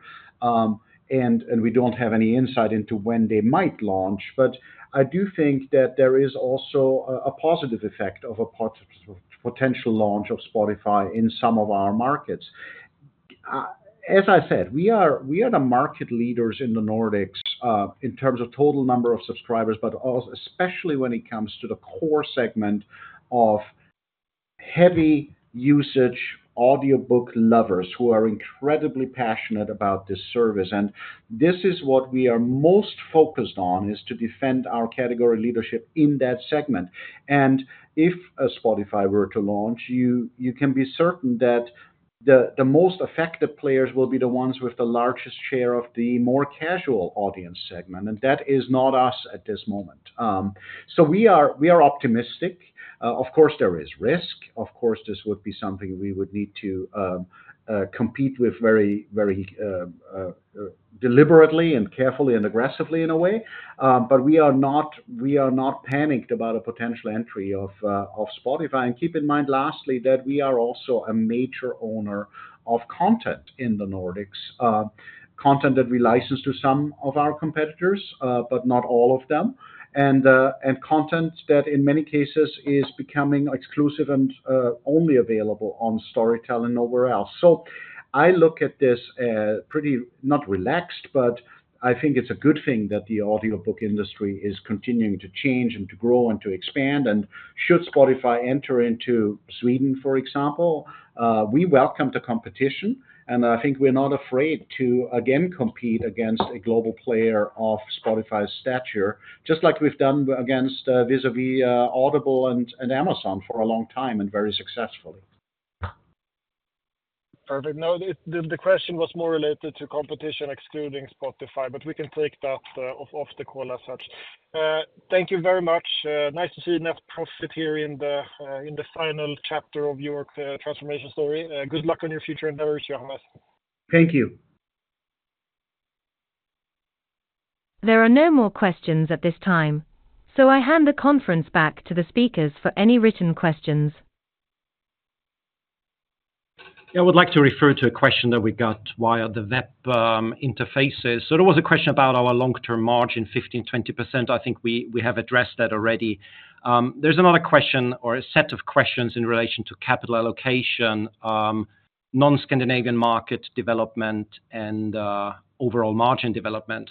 And we don't have any insight into when they might launch. But I do think that there is also a positive effect of a potential launch of Spotify in some of our markets. As I said, we are the market leaders in the Nordics in terms of total number of subscribers, but especially when it comes to the core segment of heavy usage audiobook lovers who are incredibly passionate about this service. And this is what we are most focused on, is to defend our category leadership in that segment. And if Spotify were to launch, you can be certain that the most affected players will be the ones with the largest share of the more casual audience segment. And that is not us at this moment. So we are optimistic. Of course, there is risk. Of course, this would be something we would need to compete with very deliberately and carefully and aggressively in a way. We are not panicked about a potential entry of Spotify. Keep in mind, lastly, that we are also a major owner of content in the Nordics, content that we license to some of our competitors, but not all of them, and content that, in many cases, is becoming exclusive and only available on Storytel and nowhere else. I look at this pretty not relaxed, but I think it's a good thing that the audiobook industry is continuing to change and to grow and to expand. Should Spotify enter into Sweden, for example, we welcome the competition. I think we're not afraid to, again, compete against a global player of Spotify's stature, just like we've done against vis-à-vis Audible and Amazon for a long time and very successfully. Perfect. Now, the question was more related to competition excluding Spotify, but we can take that off the call as such. Thank you very much. Nice to see net profit here in the final chapter of your transformation story. Good luck on your future endeavors, Johannes. Thank you. There are no more questions at this time, so I hand the conference back to the speakers for any written questions. I would like to refer to a question that we got via the web interfaces. So there was a question about our long-term margin, 15%-20%. I think we have addressed that already. There's another question or a set of questions in relation to capital allocation, non-Scandinavian market development, and overall margin development.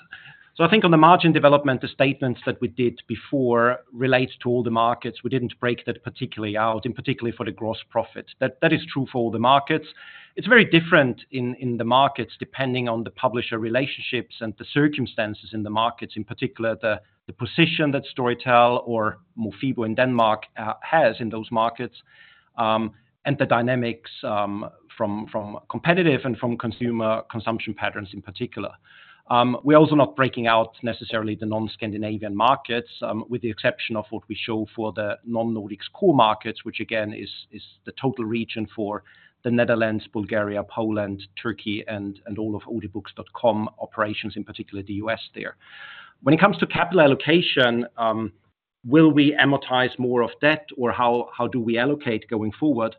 So I think on the margin development, the statements that we did before relate to all the markets. We didn't break that particularly out, in particular for the gross profit. That is true for all the markets. It's very different in the markets depending on the publisher relationships and the circumstances in the markets, in particular the position that Storytel or Mofibo in Denmark has in those markets and the dynamics from competitive and from consumer consumption patterns in particular. We're also not breaking out necessarily the non-Scandinavian markets with the exception of what we show for the Non-Nordics Core markets, which, again, is the total region for the Netherlands, Bulgaria, Poland, Turkey, and all of Audiobooks.com operations, in particular the U.S. there. When it comes to capital allocation, will we amortize more of that, or how do we allocate going forward?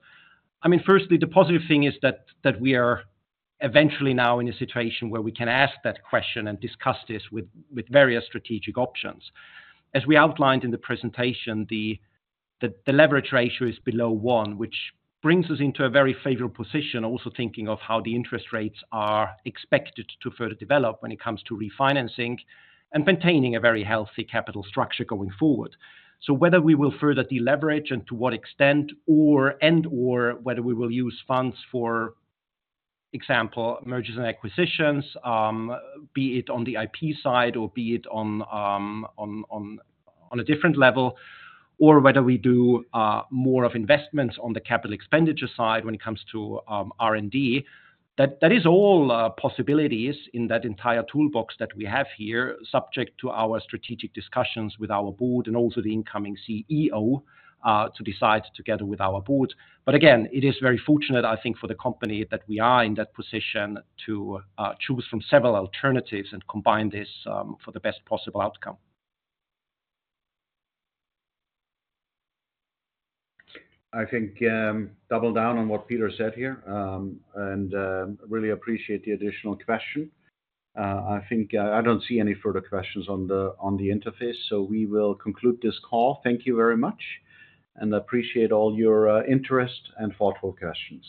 I mean, firstly, the positive thing is that we are eventually now in a situation where we can ask that question and discuss this with various strategic options. As we outlined in the presentation, the leverage ratio is below one, which brings us into a very favorable position, also thinking of how the interest rates are expected to further develop when it comes to refinancing and maintaining a very healthy capital structure going forward. So whether we will further deleverage and to what extent, and/or whether we will use funds for example, mergers and acquisitions, be it on the IP side or be it on a different level, or whether we do more of investments on the capital expenditure side when it comes to R&D, that is all possibilities in that entire toolbox that we have here, subject to our strategic discussions with our board and also the incoming CEO to decide together with our board. But again, it is very fortunate, I think, for the company that we are in that position to choose from several alternatives and combine this for the best possible outcome. I think double down on what Peter said here and really appreciate the additional question. I think I don't see any further questions on the interface, so we will conclude this call. Thank you very much, and I appreciate all your interest and thoughtful questions.